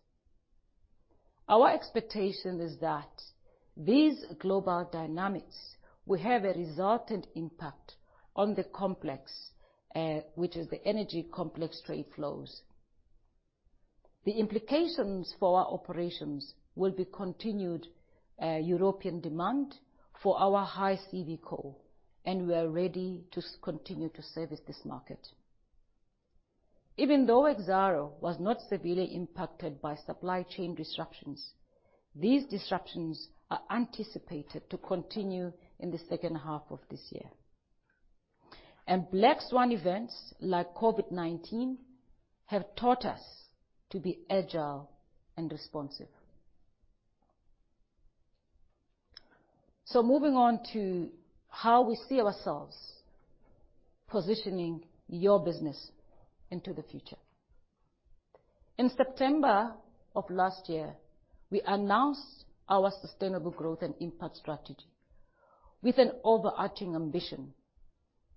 Our expectation is that these global dynamics will have a resultant impact on the complex, which is the energy complex trade flows. The implications for our operations will be continued European demand for our high CV coal, and we are ready to continue to service this market. Even though Exxaro was not severely impacted by supply chain disruptions, these disruptions are anticipated to continue in the second half of this year. Black swan events like COVID-19 have taught us to be agile and responsive. Moving on to how we see ourselves positioning your business into the future. In September of last year, we announced our sustainable growth and impact strategy with an overarching ambition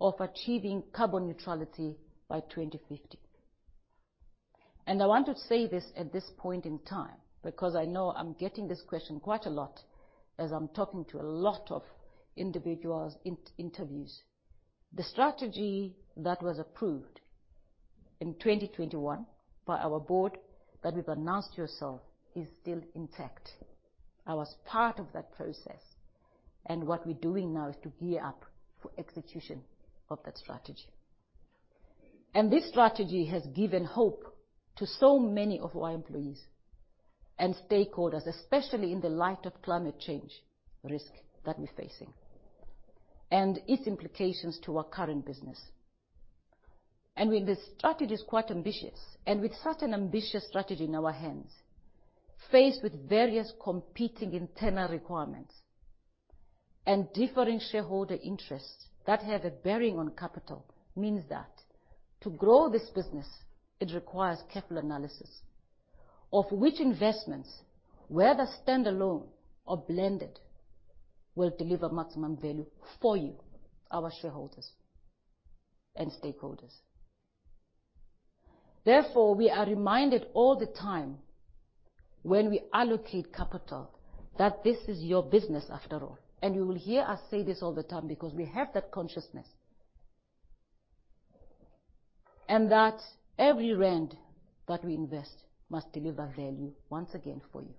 of achieving carbon neutrality by 2050. I want to say this at this point in time, because I know I'm getting this question quite a lot as I'm talking to a lot of individuals in interviews. The strategy that was approved in 2021 by our board that we've announced yourself is still intact. I was part of that process, and what we're doing now is to gear up for execution of that strategy. This strategy has given hope to so many of our employees and stakeholders, especially in the light of climate change risk that we're facing, and its implications to our current business. With this strategy is quite ambitious, and with such an ambitious strategy in our hands, faced with various competing internal requirements and differing shareholder interests that have a bearing on capital, means that to grow this business, it requires careful analysis of which investments, whether standalone or blended, will deliver maximum value for you, our shareholders and stakeholders. Therefore, we are reminded all the time when we allocate capital, that this is your business after all. You will hear us say this all the time because we have that consciousness. That every rand that we invest must deliver value, once again, for you.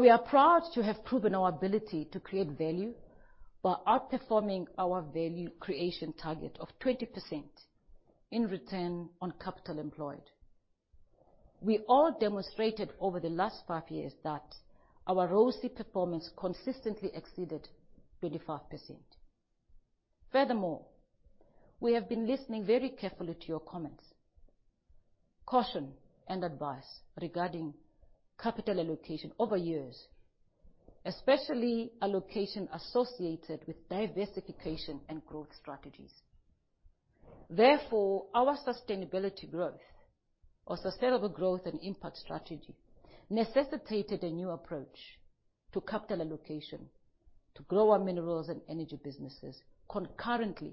We are proud to have proven our ability to create value by outperforming our value creation target of 20% in return on capital employed. We have demonstrated over the last 5 years that our ROCE performance consistently exceeded 35%. Furthermore, we have been listening very carefully to your comments, caution and advice regarding capital allocation over years, especially allocation associated with diversification and growth strategies. Therefore, our sustainability growth or sustainable growth and impact strategy necessitated a new approach to capital allocation to grow our minerals and energy businesses concurrently,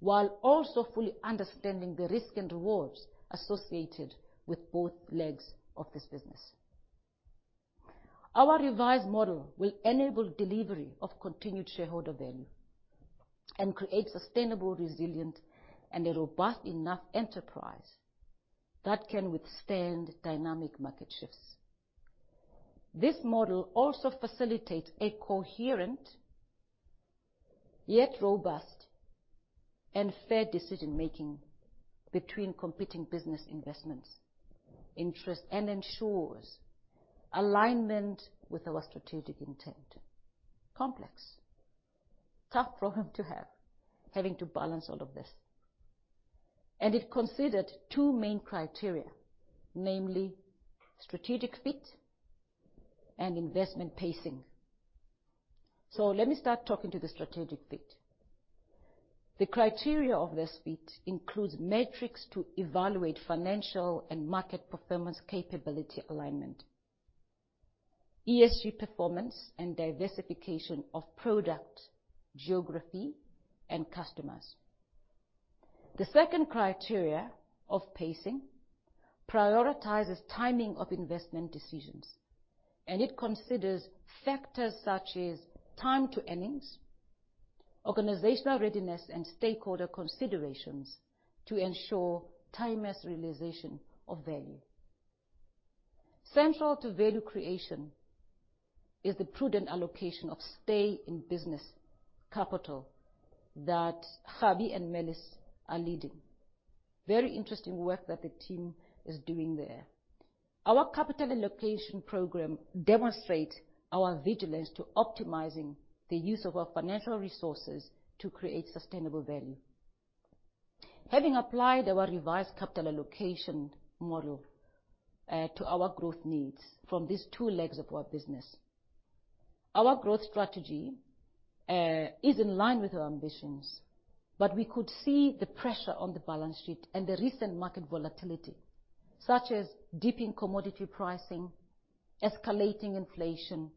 while also fully understanding the risk and rewards associated with both legs of this business. Our revised model will enable delivery of continued shareholder value and create sustainable, resilient, and a robust enough enterprise that can withstand dynamic market shifts. This model also facilitates a coherent, yet robust and fair decision-making between competing business investments, interests, and ensures alignment with our strategic intent. Complex. Tough problem to have, having to balance all of this. It considered two main criteria, namely strategic fit and investment pacing. Let me start talking to the strategic fit. The criteria of this fit includes metrics to evaluate financial and market performance capability alignment, ESG performance, and diversification of product, geography, and customers. The second criteria of pacing prioritizes timing of investment decisions, and it considers factors such as time to earnings, organizational readiness, and stakeholder considerations to ensure timeless realization of value. Central to value creation is the prudent allocation of stay in business capital that Habie and Melis are leading. Very interesting work that the team is doing there. Our capital allocation program demonstrates our vigilance to optimizing the use of our financial resources to create sustainable value. Having applied our revised capital allocation model to our growth needs from these two legs of our business, our growth strategy is in line with our ambitions, but we could see the pressure on the balance sheet and the recent market volatility, such as dip in commodity pricing, escalating inflation,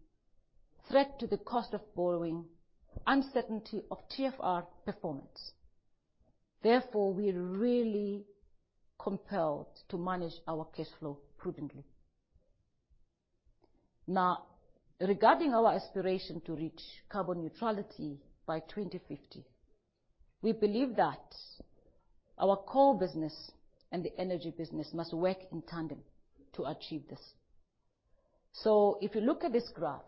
threat to the cost of borrowing, uncertainty of TFR performance. Therefore, we're really compelled to manage our cash flow prudently. Now, regarding our aspiration to reach carbon neutrality by 2050, we believe that our core business and the energy business must work in tandem to achieve this. If you look at this graph,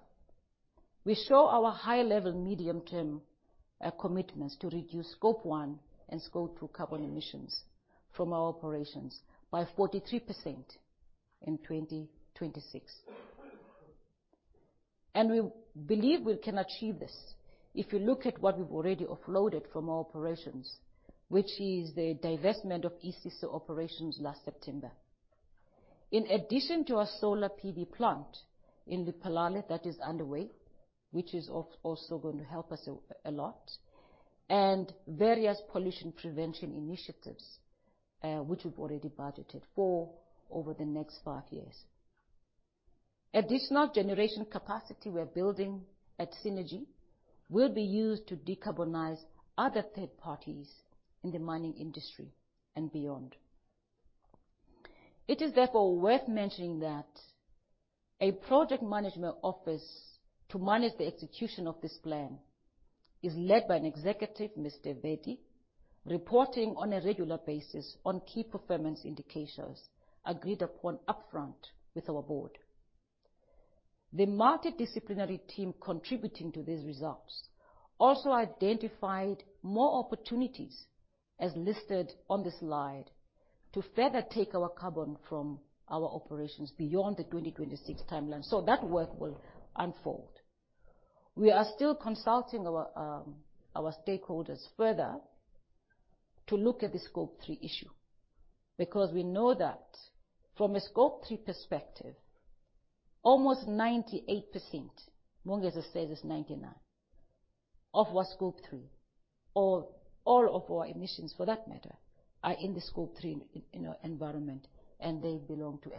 we show our high-level medium-term commitments to reduce Scope 1 and Scope 2 carbon emissions from our operations by 43% in 2026. We believe we can achieve this if you look at what we've already offloaded from our operations, which is the divestment of East Siso operations last September. In addition to our solar PV plant in Lephalale that is underway, which is also going to help us a lot, and various pollution prevention initiatives, which we've already budgeted for over the next 5 years. Additional generation capacity we're building at Cennergi will be used to decarbonize other third parties in the mining industry and beyond. It is therefore worth mentioning that a project management office to manage the execution of this plan is led by an executive, Mr. Vedi, reporting on a regular basis on key performance indicators agreed upon upfront with our board. The multidisciplinary team contributing to these results also identified more opportunities as listed on the slide to further take our carbon from our operations beyond the 2026 timeline. That work will unfold. We are still consulting our our stakeholders further to look at the Scope 3 issue, because we know that from a Scope 3 perspective, almost 98%, Mpumelelo Mthembu says it's 99, of our Scope 3 or all of our emissions for that matter, are in the Scope 3 environment, and they belong to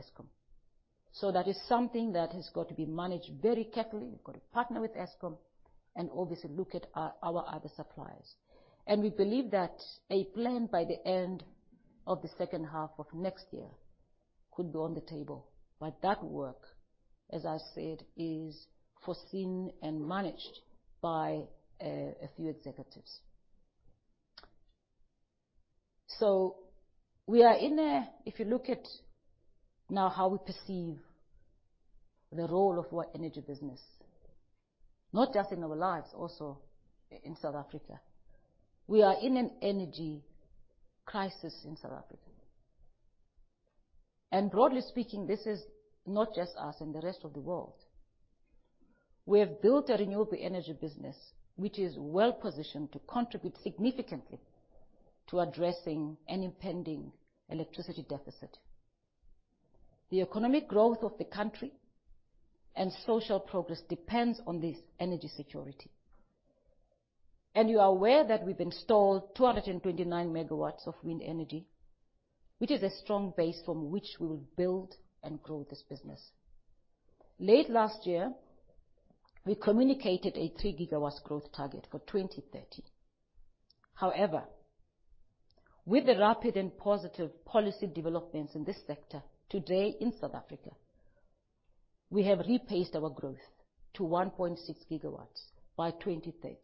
Eskom. That is something that has got to be managed very carefully. We've got to partner with Eskom and obviously look at our our other suppliers. We believe that a plan by the end of the second half of next year could be on the table. That work, as I said, is foreseen and managed by a few executives. We are in a. If you look at now how we perceive the role of our energy business, not just in our lives, also in South Africa. We are in an energy crisis in South Africa. Broadly speaking, this is not just us and the rest of the world. We have built a renewable energy business which is well-positioned to contribute significantly to addressing an impending electricity deficit. The economic growth of the country and social progress depends on this energy security. You are aware that we've installed 229 MW of wind energy, which is a strong base from which we will build and grow this business. Late last year, we communicated a 3 GW growth target for 2030. However, with the rapid and positive policy developments in this sector today in South Africa, we have replaced our growth to 1.6 GW by 2030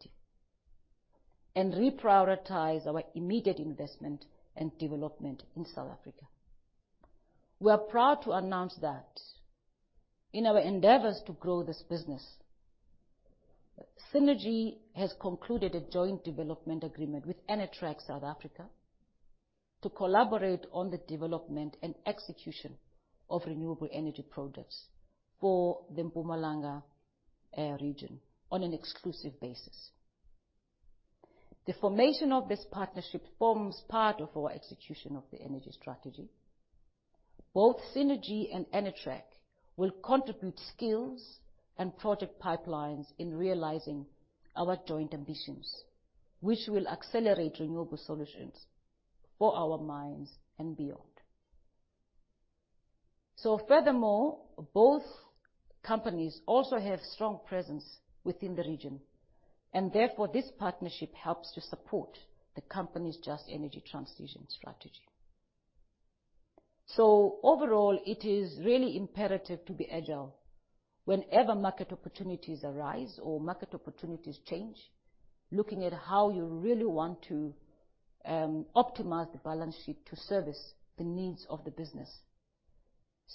and reprioritized our immediate investment and development in South Africa. We are proud to announce that in our endeavors to grow this business, Cennergi has concluded a joint development agreement with ENERTRAG South Africa to collaborate on the development and execution of renewable energy projects for the Mpumalanga region on an exclusive basis. The formation of this partnership forms part of our execution of the energy strategy. Both Cennergi and ENERTRAG will contribute skills and project pipelines in realizing our joint ambitions, which will accelerate renewable solutions for our mines and beyond. Furthermore, both companies also have strong presence within the region, and therefore this partnership helps to support the company's just energy transition strategy. Overall, it is really imperative to be agile whenever market opportunities arise or market opportunities change, looking at how you really want to optimize the balance sheet to service the needs of the business.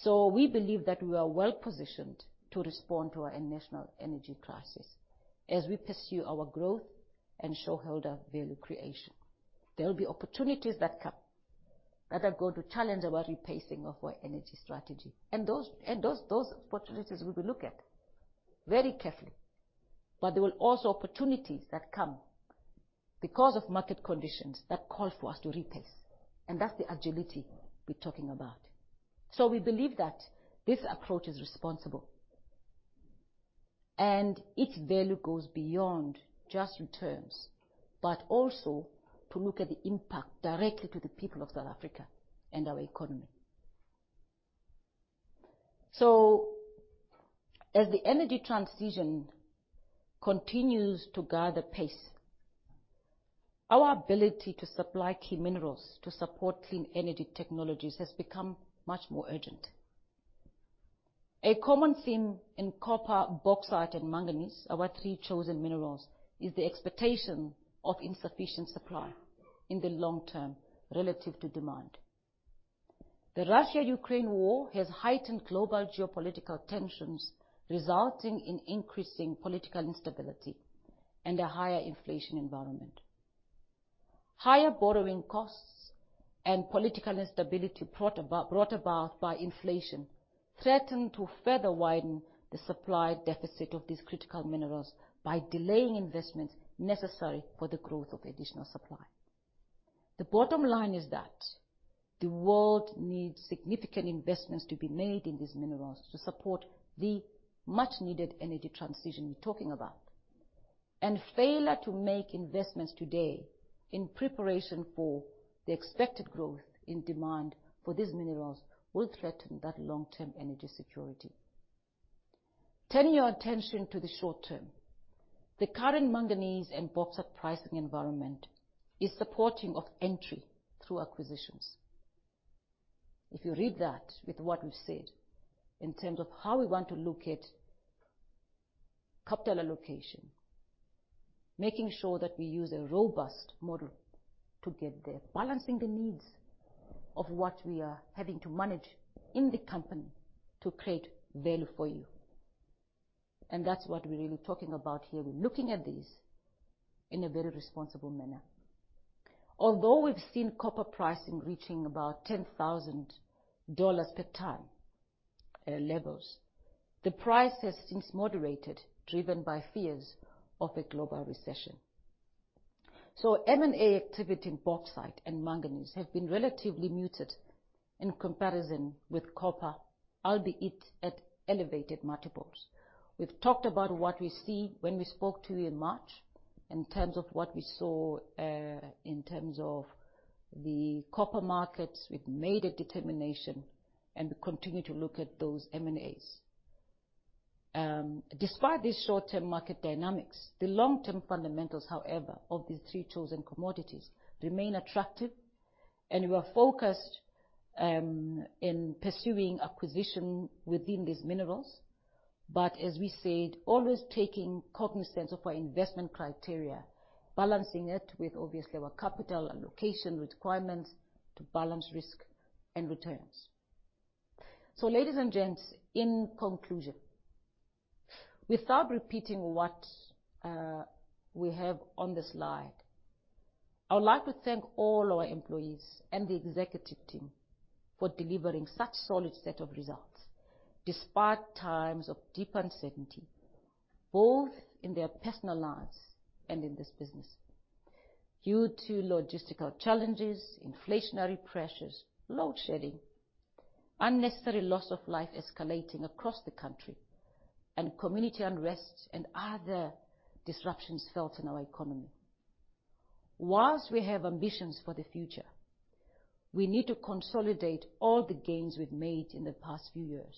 We believe that we are well-positioned to respond to our national energy crisis as we pursue our growth and shareholder value creation. There will be opportunities that come that are going to challenge our rephasing of our energy strategy. Those opportunities we will look at very carefully. There were also opportunities that come because of market conditions that call for us to rephase, and that's the agility we're talking about. We believe that this approach is responsible, and its value goes beyond just returns, but also to look at the impact directly to the people of South Africa and our economy. As the energy transition continues to gather pace, our ability to supply key minerals to support clean energy technologies has become much more urgent. A common theme in copper, bauxite, and manganese, our three chosen minerals, is the expectation of insufficient supply in the long term relative to demand. The Russia-Ukraine war has heightened global geopolitical tensions, resulting in increasing political instability and a higher inflation environment. Higher borrowing costs and political instability brought about by inflation threaten to further widen the supply deficit of these critical minerals by delaying investments necessary for the growth of additional supply. The bottom line is that the world needs significant investments to be made in these minerals to support the much-needed energy transition we're talking about. Failure to make investments today in preparation for the expected growth in demand for these minerals will threaten that long-term energy security. Turning your attention to the short term, the current manganese and bauxite pricing environment is supporting of entry through acquisitions. If you read that with what we've said in terms of how we want to look at capital allocation, making sure that we use a robust model to get there, balancing the needs of what we are having to manage in the company to create value for you. That's what we're really talking about here. We're looking at this in a very responsible manner. Although we've seen copper pricing reaching about $10,000 per ton levels, the price has since moderated, driven by fears of a global recession. M&A activity in bauxite and manganese have been relatively muted in comparison with copper, albeit at elevated multiples. We've talked about what we see when we spoke to you in March in terms of the copper markets. We've made a determination, and we continue to look at those M&As. Despite these short-term market dynamics, the long-term fundamentals, however, of these three chosen commodities remain attractive, and we are focused in pursuing acquisition within these minerals. As we said, always taking cognizance of our investment criteria, balancing it with obviously our capital allocation requirements to balance risk and returns. Ladies and gents, in conclusion, without repeating what we have on the slide, I would like to thank all our employees and the executive team for delivering such solid set of results despite times of deep uncertainty, both in their personal lives and in this business due to logistical challenges, inflationary pressures, load shedding, unnecessary loss of life escalating across the country, and community unrests and other disruptions felt in our economy. While we have ambitions for the future, we need to consolidate all the gains we've made in the past few years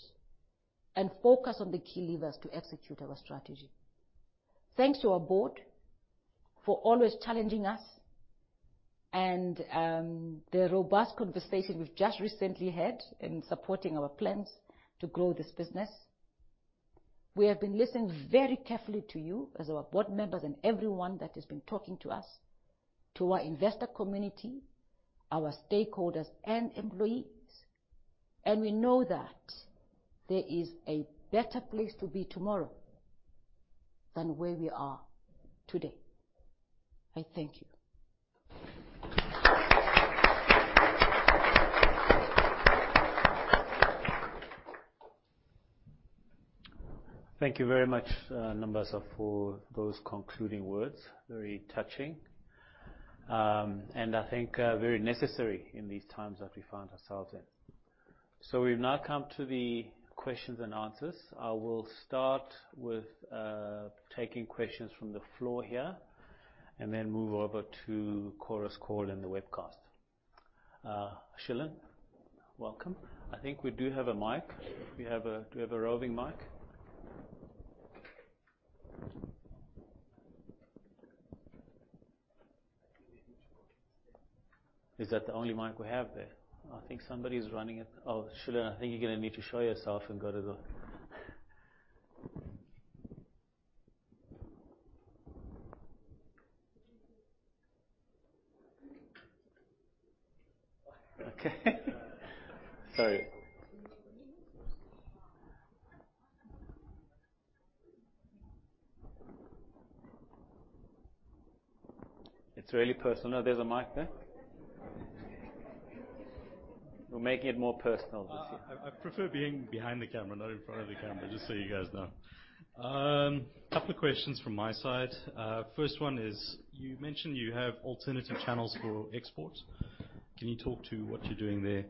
and focus on the key levers to execute our strategy. Thanks to our board for always challenging us and the robust conversation we've just recently had in supporting our plans to grow this business. We have been listening very carefully to you as our board members and everyone that has been talking to us, to our investor community, our stakeholders and employees, and we know that there is a better place to be tomorrow than where we are today. I thank you. Thank you very much, Nombasa, for those concluding words. Very touching. I think very necessary in these times that we find ourselves in. We've now come to the questions and answers. I will start with taking questions from the floor here and then move over to Chorus Call in the webcast. Shilan, welcome. I think we do have a mic. Do we have a roving mic? Is that the only mic we have there? I think somebody's running it. Oh, Shilan, I think you're gonna need to show yourself. Okay. Sorry. It's really personal. No, there's a mic there. We're making it more personal this year. I prefer being behind the camera, not in front of the camera, just so you guys know. Couple of questions from my side. First one is, you mentioned you have alternative channels for export. Can you talk to what you're doing there?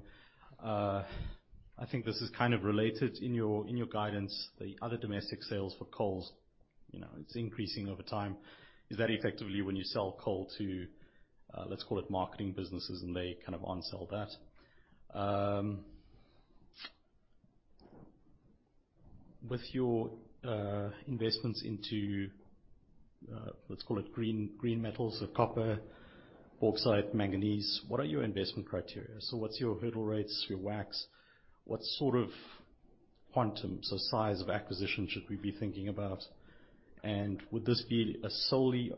I think this is kind of related. In your guidance, the other domestic sales for coal it's increasing over time. Is that effectively when you sell coal to, let's call it marketing businesses, and they kind of onsell that? With your investments into, let's call it green metals, so copper, bauxite, manganese, what are your investment criteria? So what's your hurdle rates, your WACC? What sort of quantum, so size of acquisition should we be thinking about? Would this be a solely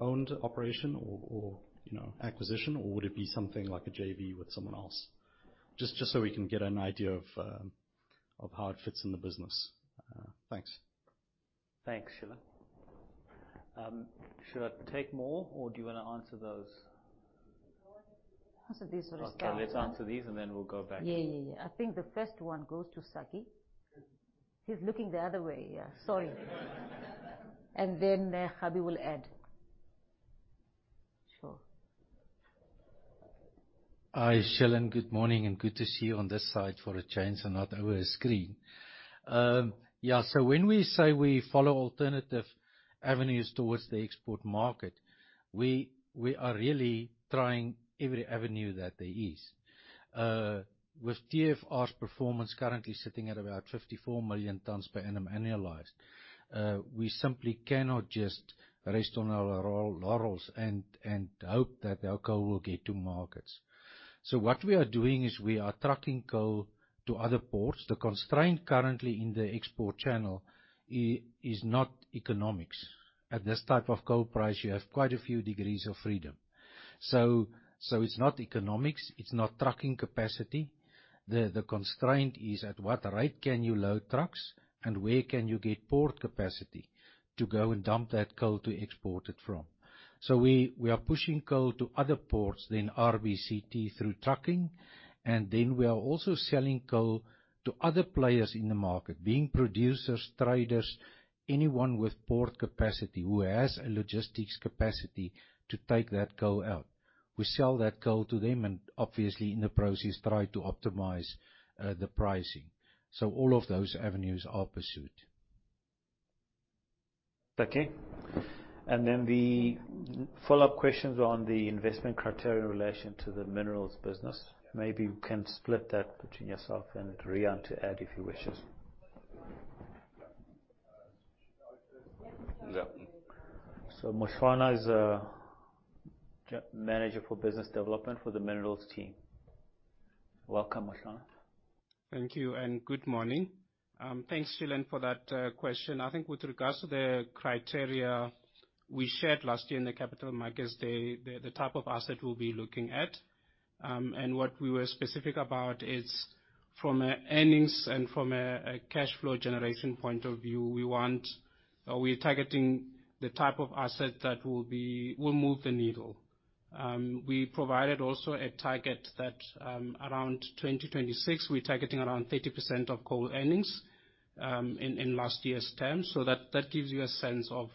owned operation or you know acquisition or would it be something like a JV with someone else? Just so we can get an idea of how it fits in the business. Thanks. Thanks, Shilan. Should I take more or do you wanna answer those? Answer these first. Okay, let's answer these, and then we'll go back. Yeah, yeah. I think the first one goes to Saki. He's looking the other way. Yeah. Sorry. Then, Habu will add. Sure. Hi, Shilan. Good morning, and good to see you on this side for a change and not over a screen. Yeah. When we say we follow alternative avenues towards the export market, we are really trying every avenue that there is. With TFR's performance currently sitting at about 54 million tons per annum annualized, we simply cannot just rest on our laurels and hope that our coal will get to markets. What we are doing is we are trucking coal to other ports. The constraint currently in the export channel is not economics. At this type of coal price, you have quite a few degrees of freedom. It's not economics. It's not trucking capacity. The constraint is at what rate can you load trucks and where can you get port capacity to go and dump that coal to export it from. We are pushing coal to other ports than RBCT through trucking, and then we are also selling coal to other players in the market, being producers, traders, anyone with port capacity who has a logistics capacity to take that coal out. We sell that coal to them and obviously in the process try to optimize the pricing. All of those avenues are pursued. Okay. The follow-up questions on the investment criteria in relation to the minerals business. Maybe you can split that between yourself and Riaan to add if he wishes. Yeah. Mohloana Magwai is Manager for Business Development for the Minerals team. Welcome, Mohloana Magwai. Thank you, and good morning. Thanks, Shilan, for that question. I think with regards to the criteria we shared last year in the capital markets day, the type of asset we'll be looking at, and what we were specific about is from an earnings and from a cash flow generation point of view, we want or we're targeting the type of asset that will move the needle. We provided also a target that, around 2026 we're targeting around 30% of coal earnings, in last year's terms. That gives you a sense of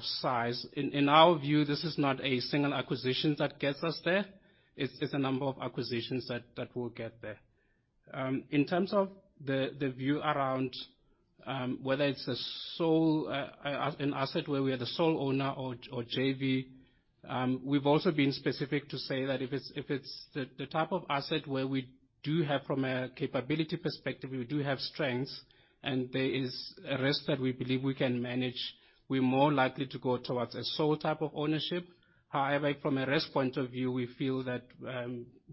size. In our view, this is not a single acquisition that gets us there. It's a number of acquisitions that will get there. In terms of the view around whether it's a sole an asset where we are the sole owner or JV, we've also been specific to say that if it's the type of asset where we do have from a capability perspective, we do have strengths and there is a risk that we believe we can manage, we're more likely to go towards a sole type of ownership. However, from a risk point of view, we feel that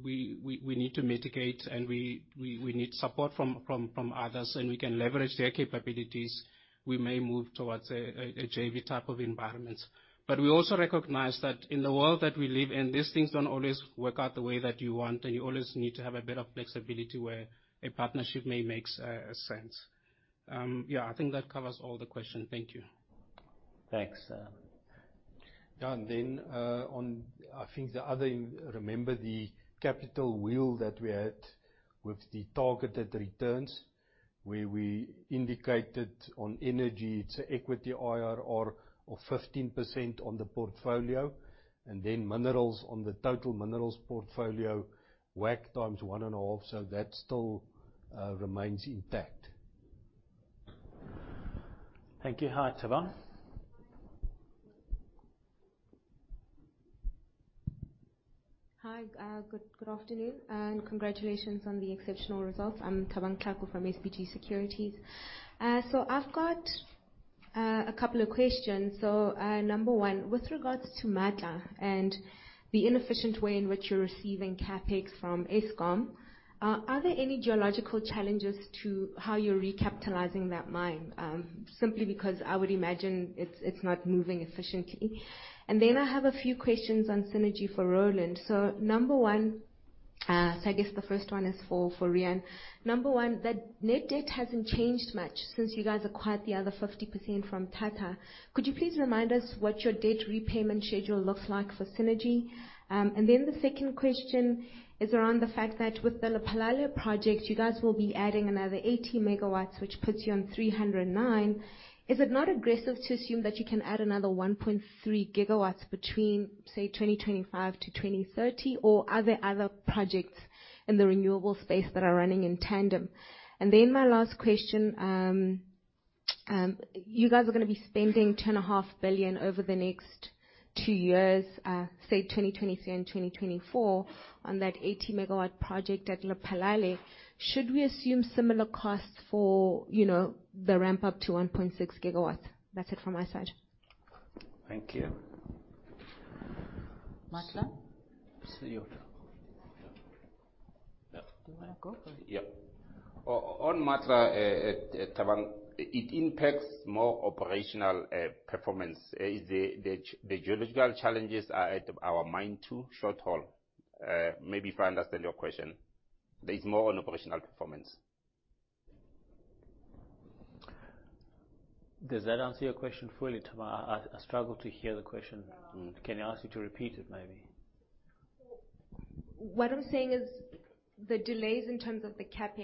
we need to mitigate, and we need support from others, and we can leverage their capabilities. We may move towards a JV type of environment. We also recognize that in the world that we live in, these things don't always work out the way that you want, and you always need to have a bit of flexibility where a partnership may makes sense. Yeah, I think that covers all the questions. Thank you. Thanks. On I think the other thing, remember the capital wheel that we had with the targeted returns, where we indicated on energy, it's equity IRR of 15% on the portfolio, and then minerals on the total minerals portfolio, WACC times 1.5. That still remains intact. Thank you. Hi, Thabang. Hi. Good afternoon, and congratulations on the exceptional results. I'm Thabang Kgako from SBG Securities. I've got a couple of questions. Number one, with regards to Matla and the inefficient way in which you're receiving CapEx from Eskom, are there any geological challenges to how you're recapitalizing that mine? Simply because I would imagine it's not moving efficiently. I have a few questions on Sishen for Roland. Number one, I guess the first one is for Rian. Number one, the net debt hasn't changed much since you guys acquired the other 50% from Tata. Could you please remind us what your debt repayment schedule looks like for Sishen? The second question is around the fact that with the Lephalale project, you guys will be adding another 80 MW, which puts you on 309. Is it not aggressive to assume that you can add another 1.3 GW between, say, 2025-2030, or are there other projects in the renewable space that are running in tandem? My last question, you guys are gonna be spending 10.5 billion over the next two years, say 2023 and 2024, on that 80 MW project at Lephalale. Should we assume similar costs for the ramp up to 1.6 GW? That's it from my side. Thank you. Matla. It's you. Yeah. Do you wanna go or- Yeah. On Matla, Thabang, it impacts more operational performance. The geological challenges are at our mine to short haul. Maybe if I understand your question, there is more on operational performance. Does that answer your question fully, Thabang? I struggled to hear the question. Um. Can I ask you to repeat it maybe? What I'm saying is the delays in terms of the CapEx.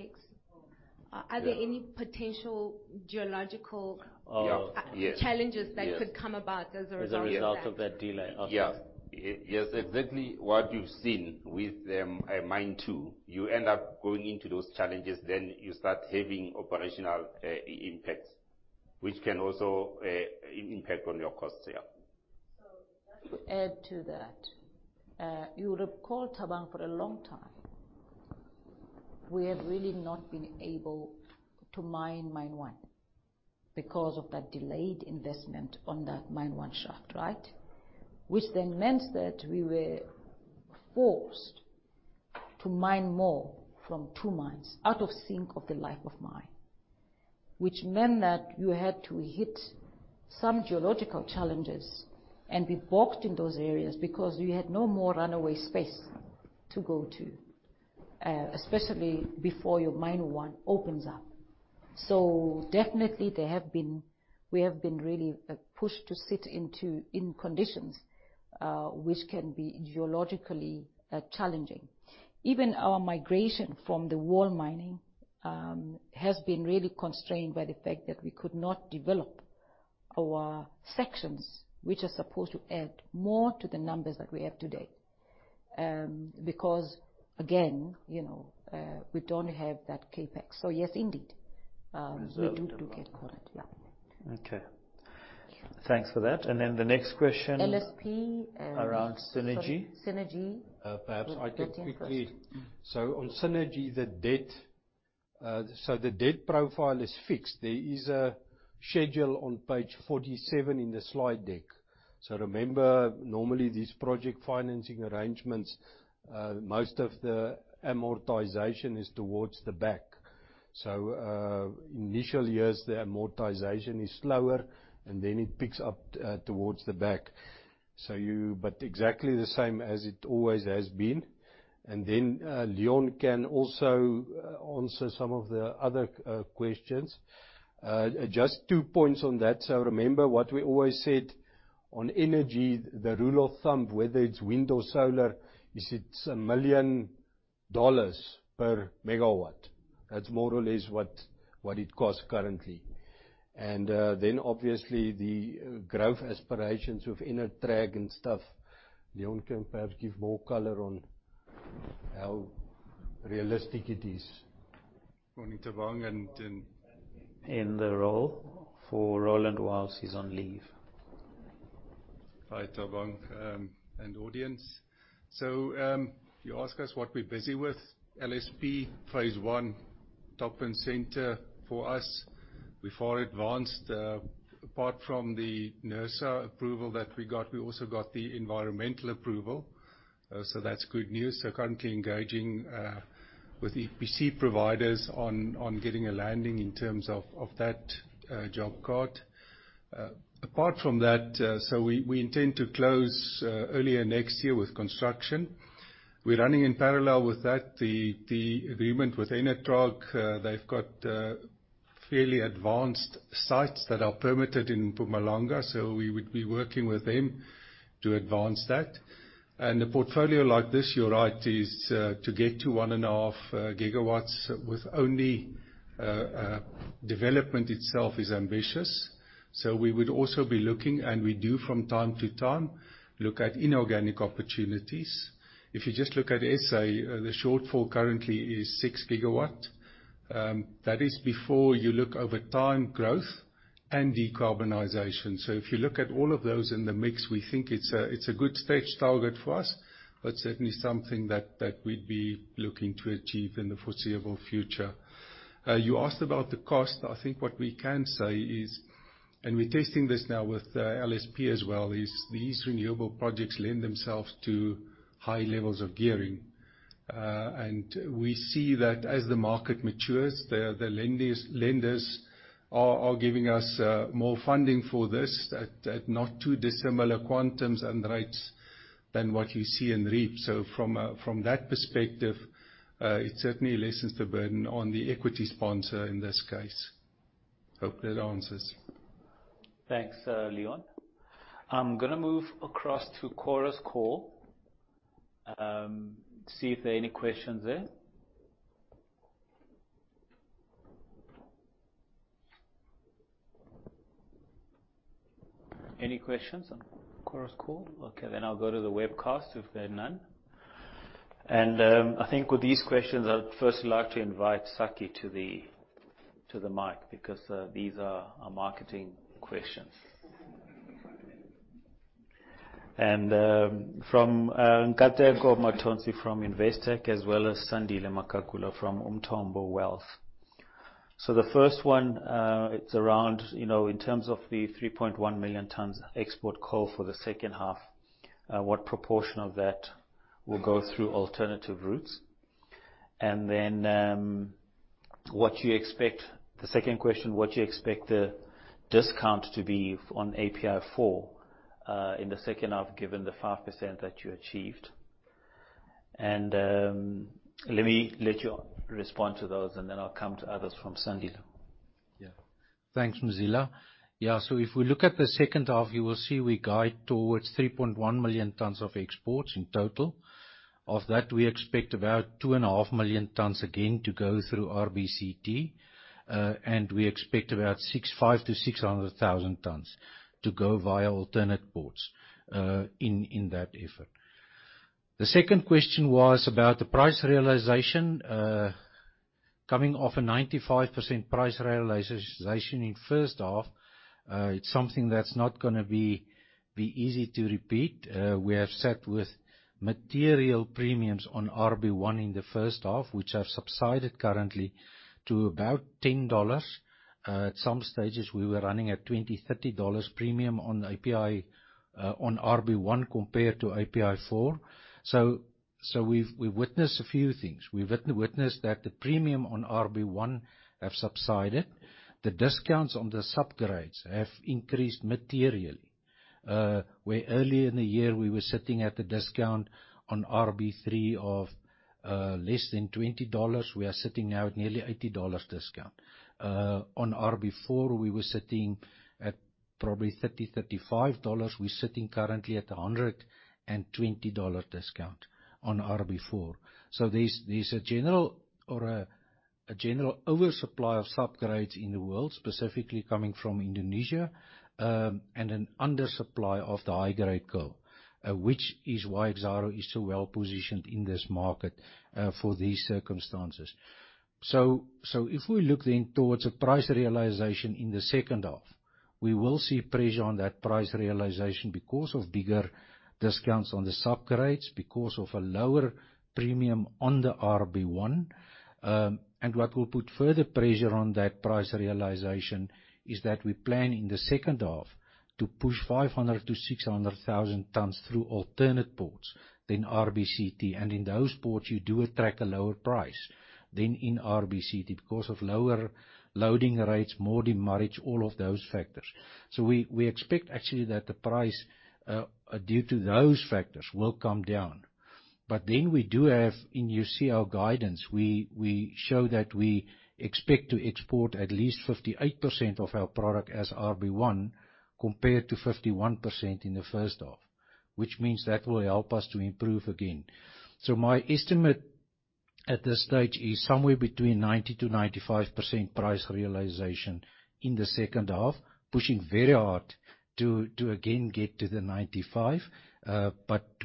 Yeah. Are there any potential geological? Oh. Yeah. Challenges that could come about as a result of that? As a result of that delay. Okay. Yeah. Yes, exactly what you've seen with the Mine 2. You end up going into those challenges, then you start having operational impacts, which can also impact on your costs. Yeah. Just to add to that, you'll recall, Thabang, for a long time, we have really not been able to mine Mine 1 because of that delayed investment on that Mine 1 shaft, right? Which then meant that we were forced to mine more from 2 mines out of sync of the life of mine. Which meant that you had to hit some geological challenges and be boxed in those areas because you had no more runaway space to go to, especially before your Mine 1 opens up. Definitely, we have been really pushed to sit into in conditions which can be geologically challenging. Even our migration from wall mining has been really constrained by the fact that we could not develop our sections, which are supposed to add more to the numbers that we have today, because, again we don't have that CapEx. Yes, indeed, we do get caught. Yeah. Okay. Thank you. Thanks for that. The next question. LSP Around Cennergi. Sorry, Cennergi. Perhaps I take quickly. On Cennergi, the debt The debt profile is fixed. There is a schedule on page 47 in the slide deck. Remember, normally these project financing arrangements, most of the amortization is towards the back. Initial years, the amortization is slower, and then it picks up towards the back. Exactly the same as it always has been. Leon can also answer some of the other questions. Just two points on that. Remember what we always said on energy, the rule of thumb, whether it's wind or solar, is it's $1 million per megawatt. That's more or less what it costs currently. Then obviously the growth aspirations of ENERTRAG and stuff, Leon can perhaps give more color on how realistic it is. Morning, Thabang. In the role for Roland while he's on leave. Hi, Thabang, and audience. You ask us what we're busy with. LSP phase one, top and center for us. We're far advanced. Apart from the NERSA approval that we got, we also got the environmental approval. That's good news. Currently engaging with EPC providers on getting a landing in terms of that job card. Apart from that, we intend to close earlier next year with construction. We're running in parallel with that. The agreement with ENERTRAG, they've got fairly advanced sites that are permitted in Mpumalanga, so we would be working with them to advance that. A portfolio like this, you're right, is to get to 1.5 gigawatts with only development itself is ambitious. We would also be looking, and we do from time to time, look at inorganic opportunities. If you just look at SA, the shortfall currently is 6 gigawatts. That is before you look over time growth and decarbonization. If you look at all of those in the mix, we think it's a good stretch target for us, but certainly something that we'd be looking to achieve in the foreseeable future. You asked about the cost. I think what we can say is, and we're testing this now with LSP as well, these renewable projects lend themselves to high levels of gearing. We see that as the market matures, the lenders are giving us more funding for this at not too dissimilar quantums and rates than what you see in REAP. From that perspective, it certainly lessens the burden on the equity sponsor in this case. Hope that answers. Thanks, Leon. I'm gonna move across to Chorus Call, see if there are any questions there. Any questions on Chorus Call? Okay, I'll go to the webcast if there are none. I think with these questions, I'd first like to invite Sakkie to the mic because these are marketing questions. From Nkateko Mathonsi from Investec, as well as Sandile Magagula from Umthombo Wealth. The first one, it's around in terms of the 3.1 million tons export coal for the second half, what proportion of that will go through alternative routes? The second question, what you expect the discount to be on API4 in the second half, given the 5% that you achieved. Let me let you respond to those, and then I'll come to others from Sandile. Yeah. Thanks, Mzila. Yeah. If we look at the second half, you will see we guide towards 3.1 million tons of exports in total. Of that, we expect about 2.5 million tons again to go through RBCT. We expect about five to six hundred thousand tons to go via alternate ports, in that effort. The second question was about the price realization. Coming off a 95% price realization in first half, it's something that's not gonna be easy to repeat. We have sat with material premiums on RB1 in the first half, which have subsided currently to about $10. At some stages, we were running at twenty, thirty dollars premium on API, on RB1 compared to API4. We've witnessed a few things. We've witnessed that the premium on RB1 have subsided. The discounts on the subgrades have increased materially. Where earlier in the year we were sitting at a discount on RB3 of less than $20, we are sitting now at nearly $80 discount. On RB4, we were sitting at probably $30-$35. We're sitting currently at a $120 discount on RB4. There's a general oversupply of subgrades in the world, specifically coming from Indonesia, and an undersupply of the high-grade coal, which is why Exxaro is so well positioned in this market for these circumstances. If we look then towards the price realization in the second half, we will see pressure on that price realization because of bigger discounts on the subgrades, because of a lower premium on the RB1. What will put further pressure on that price realization is that we plan in the second half to push 500-600,000 tons through alternate ports than RBCT. In those ports, you do attract a lower price than in RBCT because of lower loading rates, more demurrage, all of those factors. We expect actually that the price due to those factors will come down. We do have, and you see our guidance, we show that we expect to export at least 58% of our product as RB1 compared to 51% in the first half, which means that will help us to improve again. My estimate at this stage is somewhere between 90%-95% price realization in the second half, pushing very hard to again get to the 95%.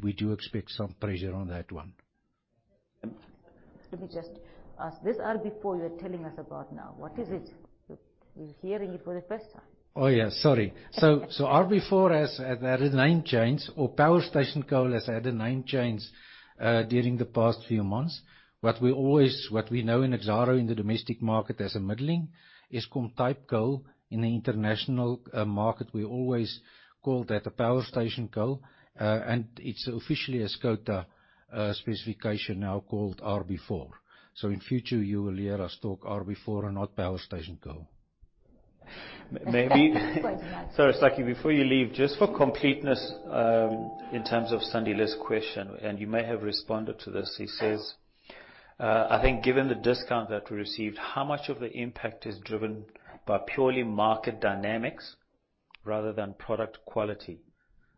We do expect some pressure on that one. Let me just ask. This RB4 you're telling us about now, what is it? We're hearing it for the first time. RB4 has had a name change, or power station coal has had a name change during the past few months. What we know in Exxaro in the domestic market as a middling, semi-soft coking coal. In the international market, we always called that a power station coal, and it's officially a specification now called RB4. In future, you will hear us talk RB4 and not power station coal. Maybe- Quite right. Sorry, Sakkie Swanepoel, before you leave, just for completeness, in terms of Sandile Magagula's question, and you may have responded to this. He says, I think given the discount that we received, how much of the impact is driven by purely market dynamics rather than product quality,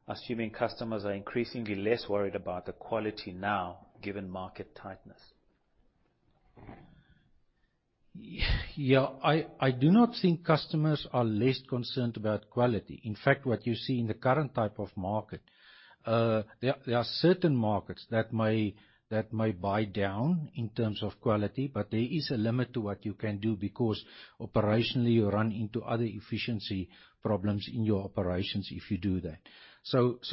assuming customers are increasingly less worried about the quality now, given market tightness? Yeah, I do not think customers are less concerned about quality. In fact, what you see in the current type of market, there are certain markets that may buy down in terms of quality, but there is a limit to what you can do because operationally, you run into other efficiency problems in your operations if you do that.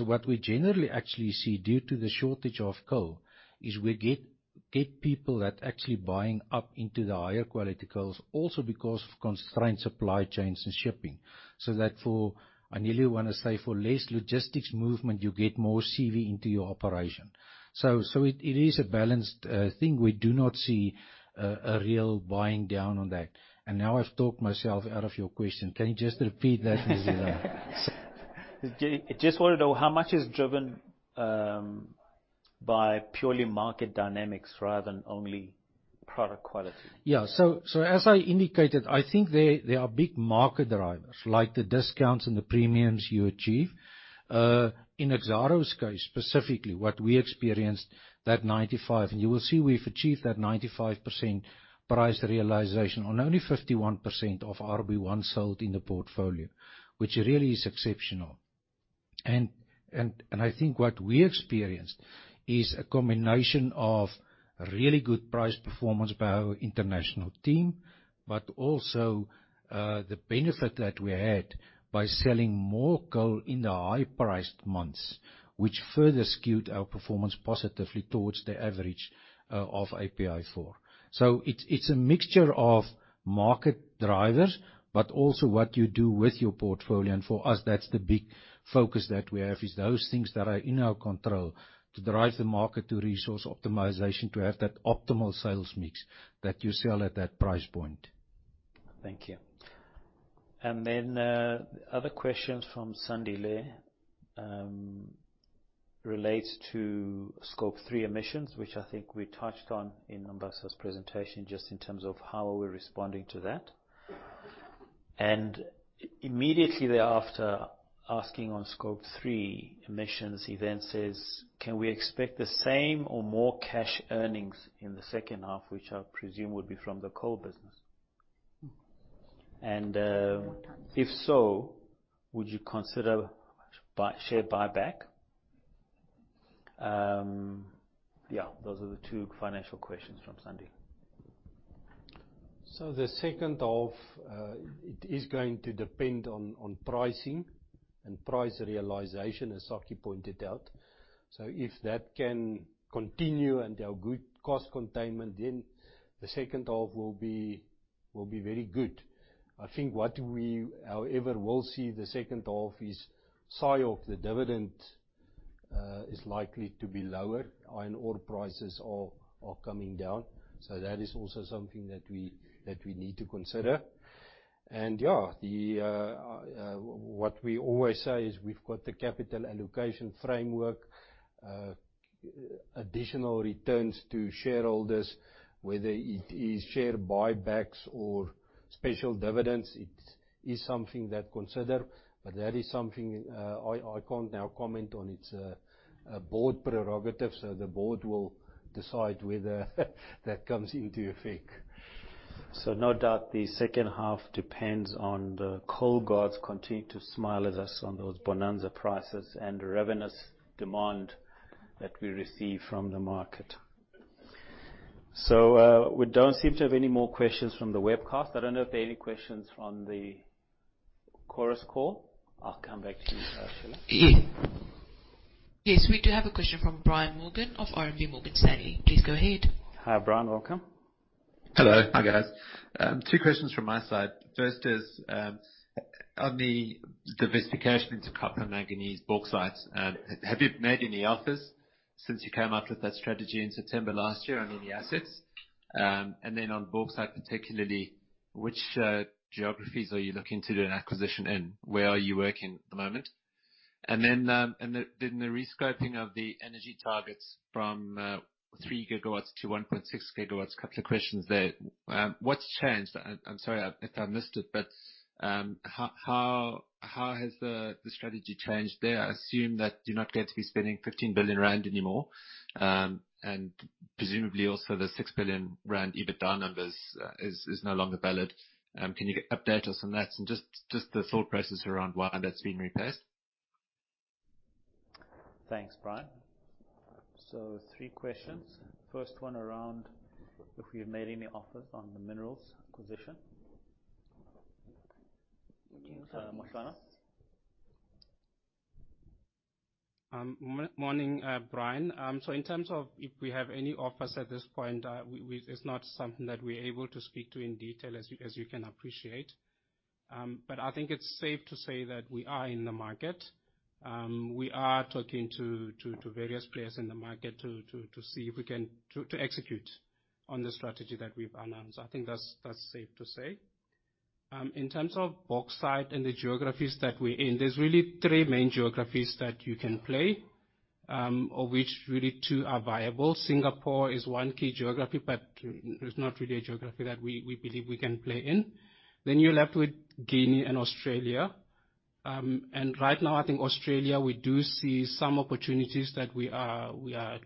What we generally actually see due to the shortage of coal is we get people that actually buying up into the higher quality coals also because of constrained supply chains and shipping. That for, I nearly wanna say, for less logistics movement, you get more CV into your operation. It is a balanced thing. We do not see a real buying down on that. Now I've talked myself out of your question. Can you just repeat that? Just wanna know how much is driven by purely market dynamics rather than only product quality. Yeah. As I indicated, I think there are big market drivers like the discounts and the premiums you achieve. In Exxaro's case, specifically what we experienced that 95, and you will see we've achieved that 95% price realization on only 51% of RB1 sold in the portfolio, which really is exceptional. And I think what we experienced is a combination of really good price performance by our international team, but also the benefit that we had by selling more coal in the high-priced months, which further skewed our performance positively towards the average of API4. It's a mixture of market drivers, but also what you do with your portfolio. For us, that's the big focus that we have, is those things that are in our control to drive the market to resource optimization, to have that optimal sales mix that you sell at that price point. Thank you. Then, other questions from Sandile relates to Scope 3 emissions, which I think we touched on in Nombasa's presentation, just in terms of how we're responding to that. Immediately thereafter, asking on Scope 3 emissions, he then says, "Can we expect the same or more cash earnings in the second half?" Which I presume would be from the coal business. If so, would you consider share buyback? Yeah, those are the two financial questions from Sandile. The second half, it is going to depend on pricing and price realization, as Sakkie pointed out. If that can continue and our good cost containment, then the second half will be very good. I think what we, however, will see the second half is size of the dividend is likely to be lower. Iron ore prices are coming down. That is also something that we need to consider. What we always say is we've got the capital allocation framework, additional returns to shareholders, whether it is share buybacks or special dividends, it is something that consider. That is something I can't now comment on. It's a board prerogative, so the board will decide whether that comes into effect. No doubt the second half depends on the coal gods continue to smile at us on those bonanza prices and ravenous demand that we receive from the market. We don't seem to have any more questions from the webcast. I don't know if there are any questions from the Chorus Call. I'll come back to you, Shilan. Yes, we do have a question from Brian Morgan of RMB Morgan Stanley. Please go ahead. Hi, Brian. Welcome. Hello. Hi, guys. 2 questions from my side. First is on the diversification into copper, manganese, bauxite. Have you made any offers since you came up with that strategy in September last year on any assets? And then on bauxite particularly, which geographies are you looking to do an acquisition in? Where are you working at the moment? Then the rescoping of the energy targets from 3 gigawatts to 1.6 gigawatts, a couple of questions there. What's changed? I'm sorry if I missed it, but how has the strategy changed there? I assume that you're not going to be spending 15 billion rand anymore, and presumably also the 6 billion rand EBITDA numbers is no longer valid. Can you update us on that and just the thought process around why that's been replaced? Thanks, Brian. Three questions. First one around if we've made any offers on the minerals acquisition. Mongezi Veti. Morning, Brian. In terms of if we have any offers at this point, it's not something that we're able to speak to in detail, as you can appreciate. I think it's safe to say that we are in the market. We are talking to various players in the market to see if we can execute on the strategy that we've announced. I think that's safe to say. In terms of bauxite and the geographies that we're in, there's really three main geographies that you can play, of which really two are viable. China is one key geography, but it's not really a geography that we believe we can play in. You're left with Guinea and Australia, and right now I think Australia we do see some opportunities that we are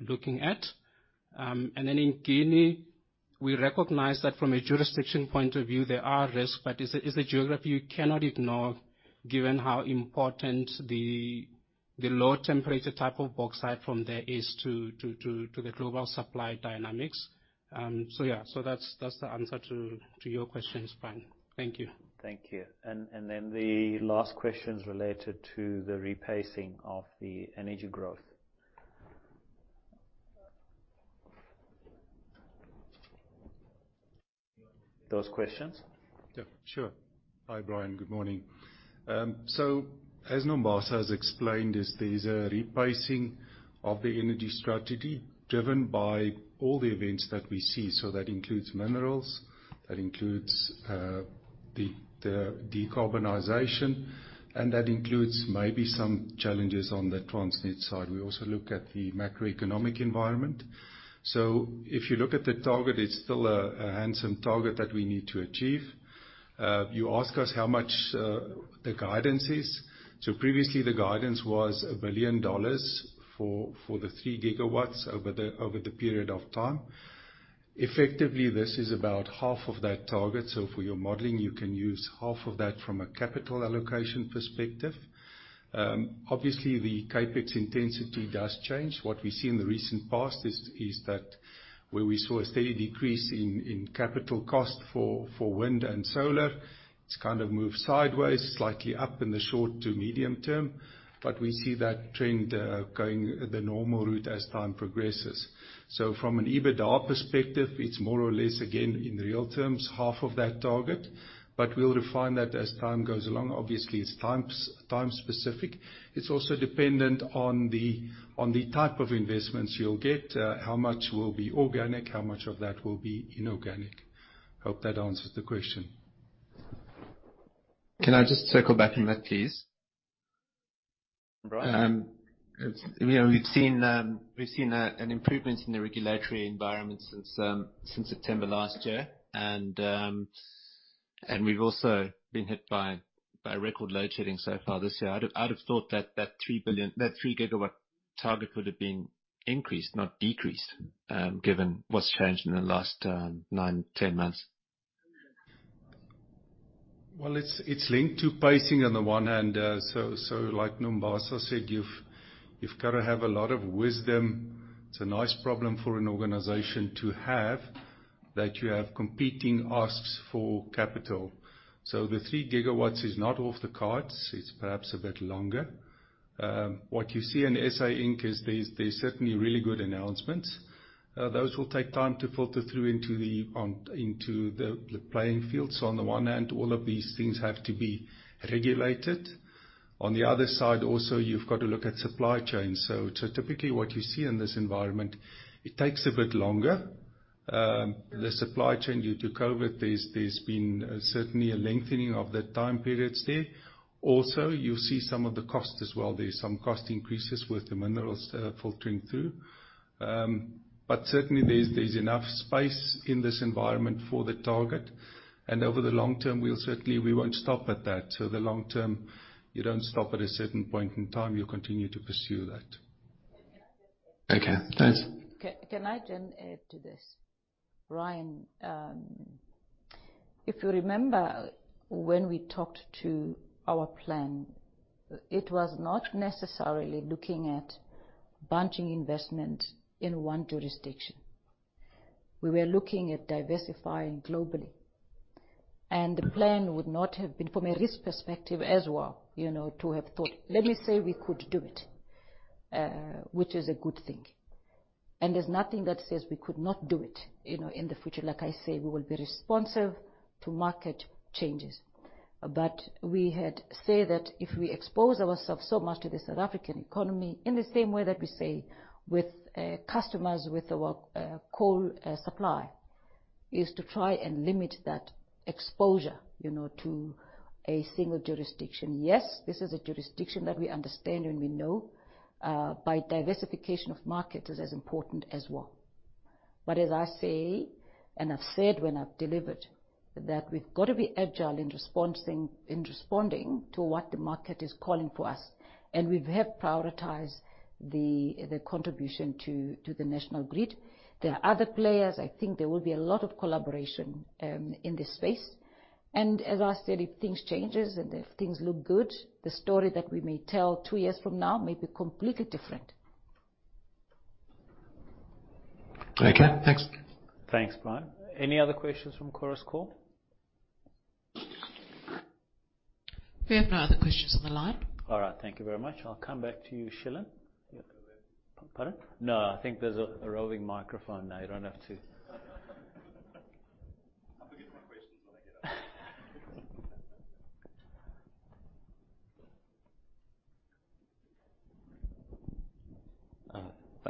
looking at. In Guinea, we recognize that from a jurisdiction point of view there are risks, but it's a geography you cannot ignore given how important the low-temperature type of bauxite from there is to the global supply dynamics. Yeah. That's the answer to your questions, Brian. Thank you. Thank you. The last question's related to the replacing of the energy growth. Those questions? Yeah, sure. Hi, Brian. Good morning. As Nombasa has explained, there's a rephasing of the energy strategy driven by all the events that we see. That includes minerals, that includes the decarbonization, and that includes maybe some challenges on the Transnet side. We also look at the macroeconomic environment. If you look at the target, it's still a handsome target that we need to achieve. You ask us how much the guidance is. Previously the guidance was $1 billion for the 3 gigawatts over the period of time. Effectively this is about half of that target, so for your modeling you can use half of that from a capital allocation perspective. Obviously the CapEx intensity does change. What we see in the recent past is that where we saw a steady decrease in capital cost for wind and solar, it's kind of moved sideways, slightly up in the short to medium term, but we see that trend going the normal route as time progresses. From an EBITDA perspective, it's more or less again in real terms half of that target, but we'll refine that as time goes along. Obviously it's time specific. It's also dependent on the type of investments you'll get, how much will be organic, how much of that will be inorganic. Hope that answers the question. Can I just circle back on that please? Brian. You know, we've seen an improvement in the regulatory environment since September last year and we've also been hit by record load shedding so far this year. I'd have thought that 3 gigawatt target would have been increased not decreased, given what's changed in the last 9, 10 months. Well, it's linked to pacing on the one hand. Like Nombasa said, you've got to have a lot of wisdom. It's a nice problem for an organization to have that you have competing asks for capital. The 3 gigawatts is not off the cards. It's perhaps a bit longer. What you see in SA Inc. is there's certainly really good announcements. Those will take time to filter through into the playing field. On the one hand, all of these things have to be regulated. On the other side also you've got to look at supply chain. Typically what you see in this environment, it takes a bit longer. The supply chain due to COVID, there's been certainly a lengthening of the time periods there. Also, you'll see some of the cost as well. There's some cost increases with the minerals, filtering through. Certainly there's enough space in this environment for the target and over the long term we'll certainly. We won't stop at that. The long term you don't stop at a certain point in time, you continue to pursue that. Okay, thanks. Can I just add to this? Brian, If you remember when we talked to our plan, it was not necessarily looking at bunching investment in one jurisdiction. We were looking at diversifying globally, and the plan would not have been from a risk perspective as well to have thought, let me say we could do it, which is a good thing, and there's nothing that says we could not do it in the future. Like I say, we will be responsive to market changes. We had said that if we expose ourselves so much to the South African economy in the same way that we say with customers with our coal supply, is to try and limit that exposure to a single jurisdiction. Yes, this is a jurisdiction that we understand and we know, but diversification of markets is as important as well. As I say, and I've said when I've delivered, that we've got to be agile in responding to what the market is calling for us, and we have prioritized the contribution to the national grid. There are other players. I think there will be a lot of collaboration in this space. As I said, if things changes and if things look good, the story that we may tell two years from now may be completely different. Okay, thanks. Thanks, Brian. Any other questions from Chorus Call? We have no other questions on the line. All right. Thank you very much. I'll come back to you, Shilan. Pardon? No, I think there's a roving microphone now. You don't have to.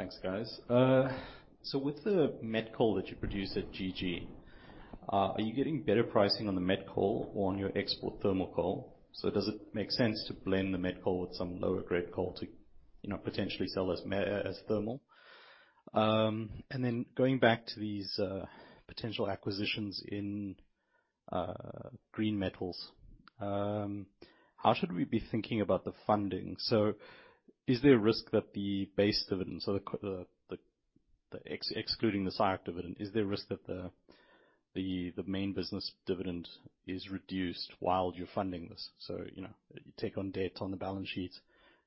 I'll forget my questions when I get up. Thanks, guys. With the met coal that you produce at GG, are you getting better pricing on the met coal or on your export thermal coal? Does it make sense to blend the met coal with some lower grade coal to potentially sell as thermal? Going back to these potential acquisitions in green metals, how should we be thinking about the funding? Is there a risk that the base dividend, so the excluding the SIOC dividend, is there a risk that the main business dividend is reduced while you're funding this? You know, you take on debt on the balance sheet,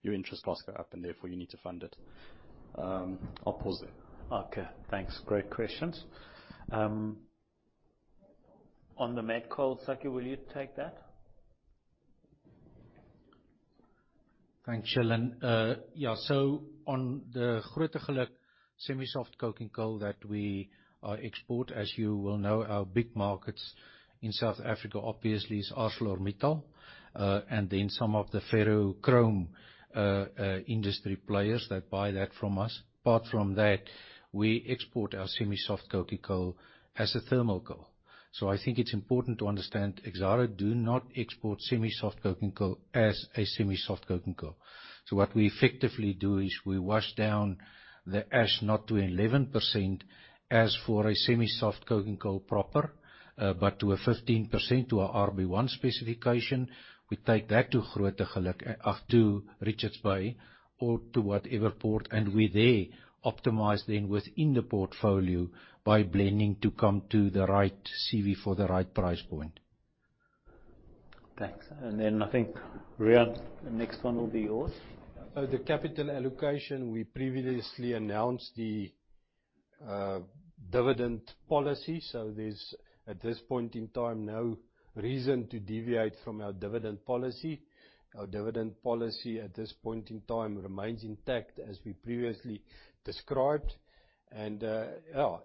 your interest costs go up, and therefore you need to fund it. I'll pause there. Okay, thanks. Great questions. On the met coal, Sakkie, will you take that? Thanks, Shilan. Yeah, on the Grootegeluk semi-soft coking coal that we export, as you will know, our big markets in South Africa obviously is ArcelorMittal, and then some of the ferrochrome industry players that buy that from us. Apart from that, we export our semi-soft coking coal as a thermal coal. I think it's important to understand Exxaro do not export semi-soft coking coal as a semi-soft coking coal. What we effectively do is we wash down the ash not to 11% as for a semi-soft coking coal proper, but to a 15% to a RB1 specification. We take that to Grootegeluk, to Richards Bay or to whatever port, and we there optimize then within the portfolio by blending to come to the right CV for the right price point. Thanks. I think, Riaan, the next one will be yours. The capital allocation, we previously announced the dividend policy, there's at this point in time no reason to deviate from our dividend policy. Our dividend policy at this point in time remains intact as we previously described.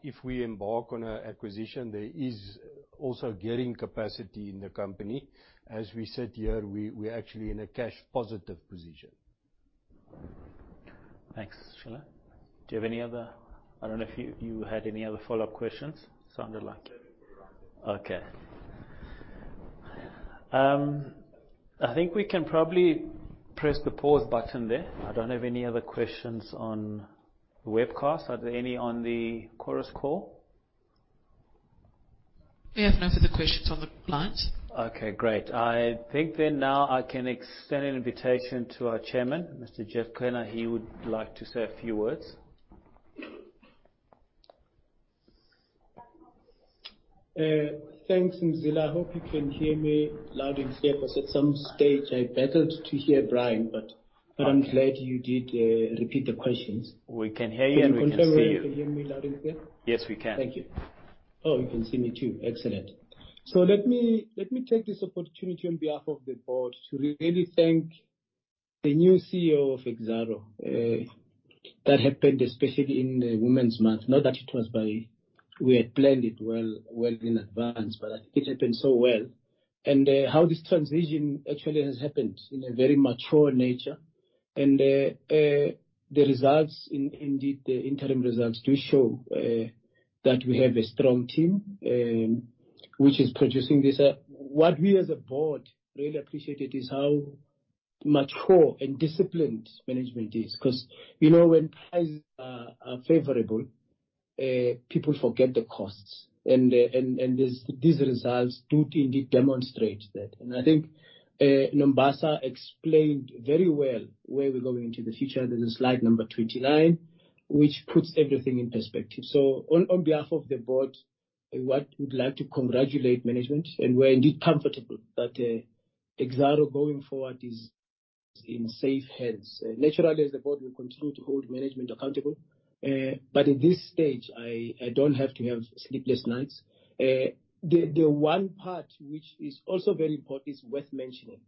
If we embark on an acquisition, there is also gearing capacity in the company. As we sit here, we're actually in a cash positive position. Thanks. Shilan, I don't know if you had any other follow-up questions. Sounded like it. Okay. I think we can probably press the pause button there. I don't have any other questions on the webcast. Are there any on the Chorus call? We have no further questions on the line. Okay, great. I think then now I can extend an invitation to our chairman, Mr. Mvuleni Geoffrey Qhena. He would like to say a few words. Thanks, Mzila. I hope you can hear me loud and clear, 'cause at some stage I battled to hear Brian, but I'm glad you did repeat the questions. We can hear you and we can see you. Just confirming you can hear me loud and clear. Yes, we can. Thank you. Oh, you can see me too. Excellent. Let me take this opportunity on behalf of the board to really thank the new CEO of Exxaro. That happened especially in Women's Month. We had planned it well in advance, but I think it happened so well. The interim results do show that we have a strong team which is producing this. What we as a board really appreciated is how mature and disciplined management is. 'cause when times are favorable, people forget the costs. These results do indeed demonstrate that. I think Nombasa explained very well where we're going into the future. There's a slide number 29, which puts everything in perspective. On behalf of the board, what we'd like to congratulate management, and we're indeed comfortable that Exxaro going forward is in safe hands. Naturally, as the board, we continue to hold management accountable. At this stage, I don't have to have sleepless nights. The one part which is also very important is worth mentioning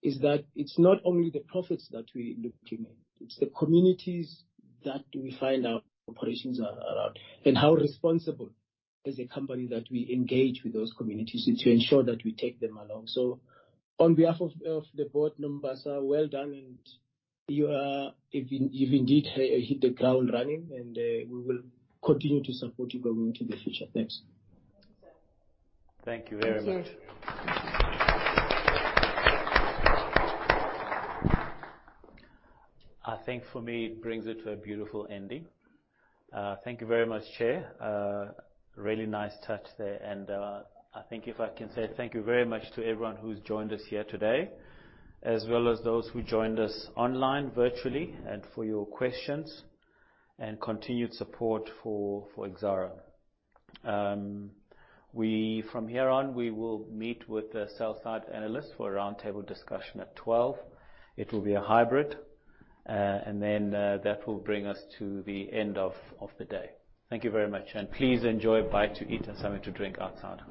is that it's not only the profits that we're looking at, it's the communities that we find our operations are at, and how responsible as a company that we engage with those communities and to ensure that we take them along. On behalf of the board, Nombasa, well done. You've indeed hit the ground running, and we will continue to support you going into the future. Thanks. Thank you, sir. Thank you very much. Thank you. I think for me, it brings it to a beautiful ending. Thank you very much, Chair. Really nice touch there. I think if I can say thank you very much to everyone who's joined us here today, as well as those who joined us online virtually, and for your questions and continued support for Exxaro. From here on, we will meet with the sell-side analysts for a round table discussion at 12:00 P.M. It will be a hybrid. That will bring us to the end of the day. Thank you very much, and please enjoy a bite to eat and something to drink outside.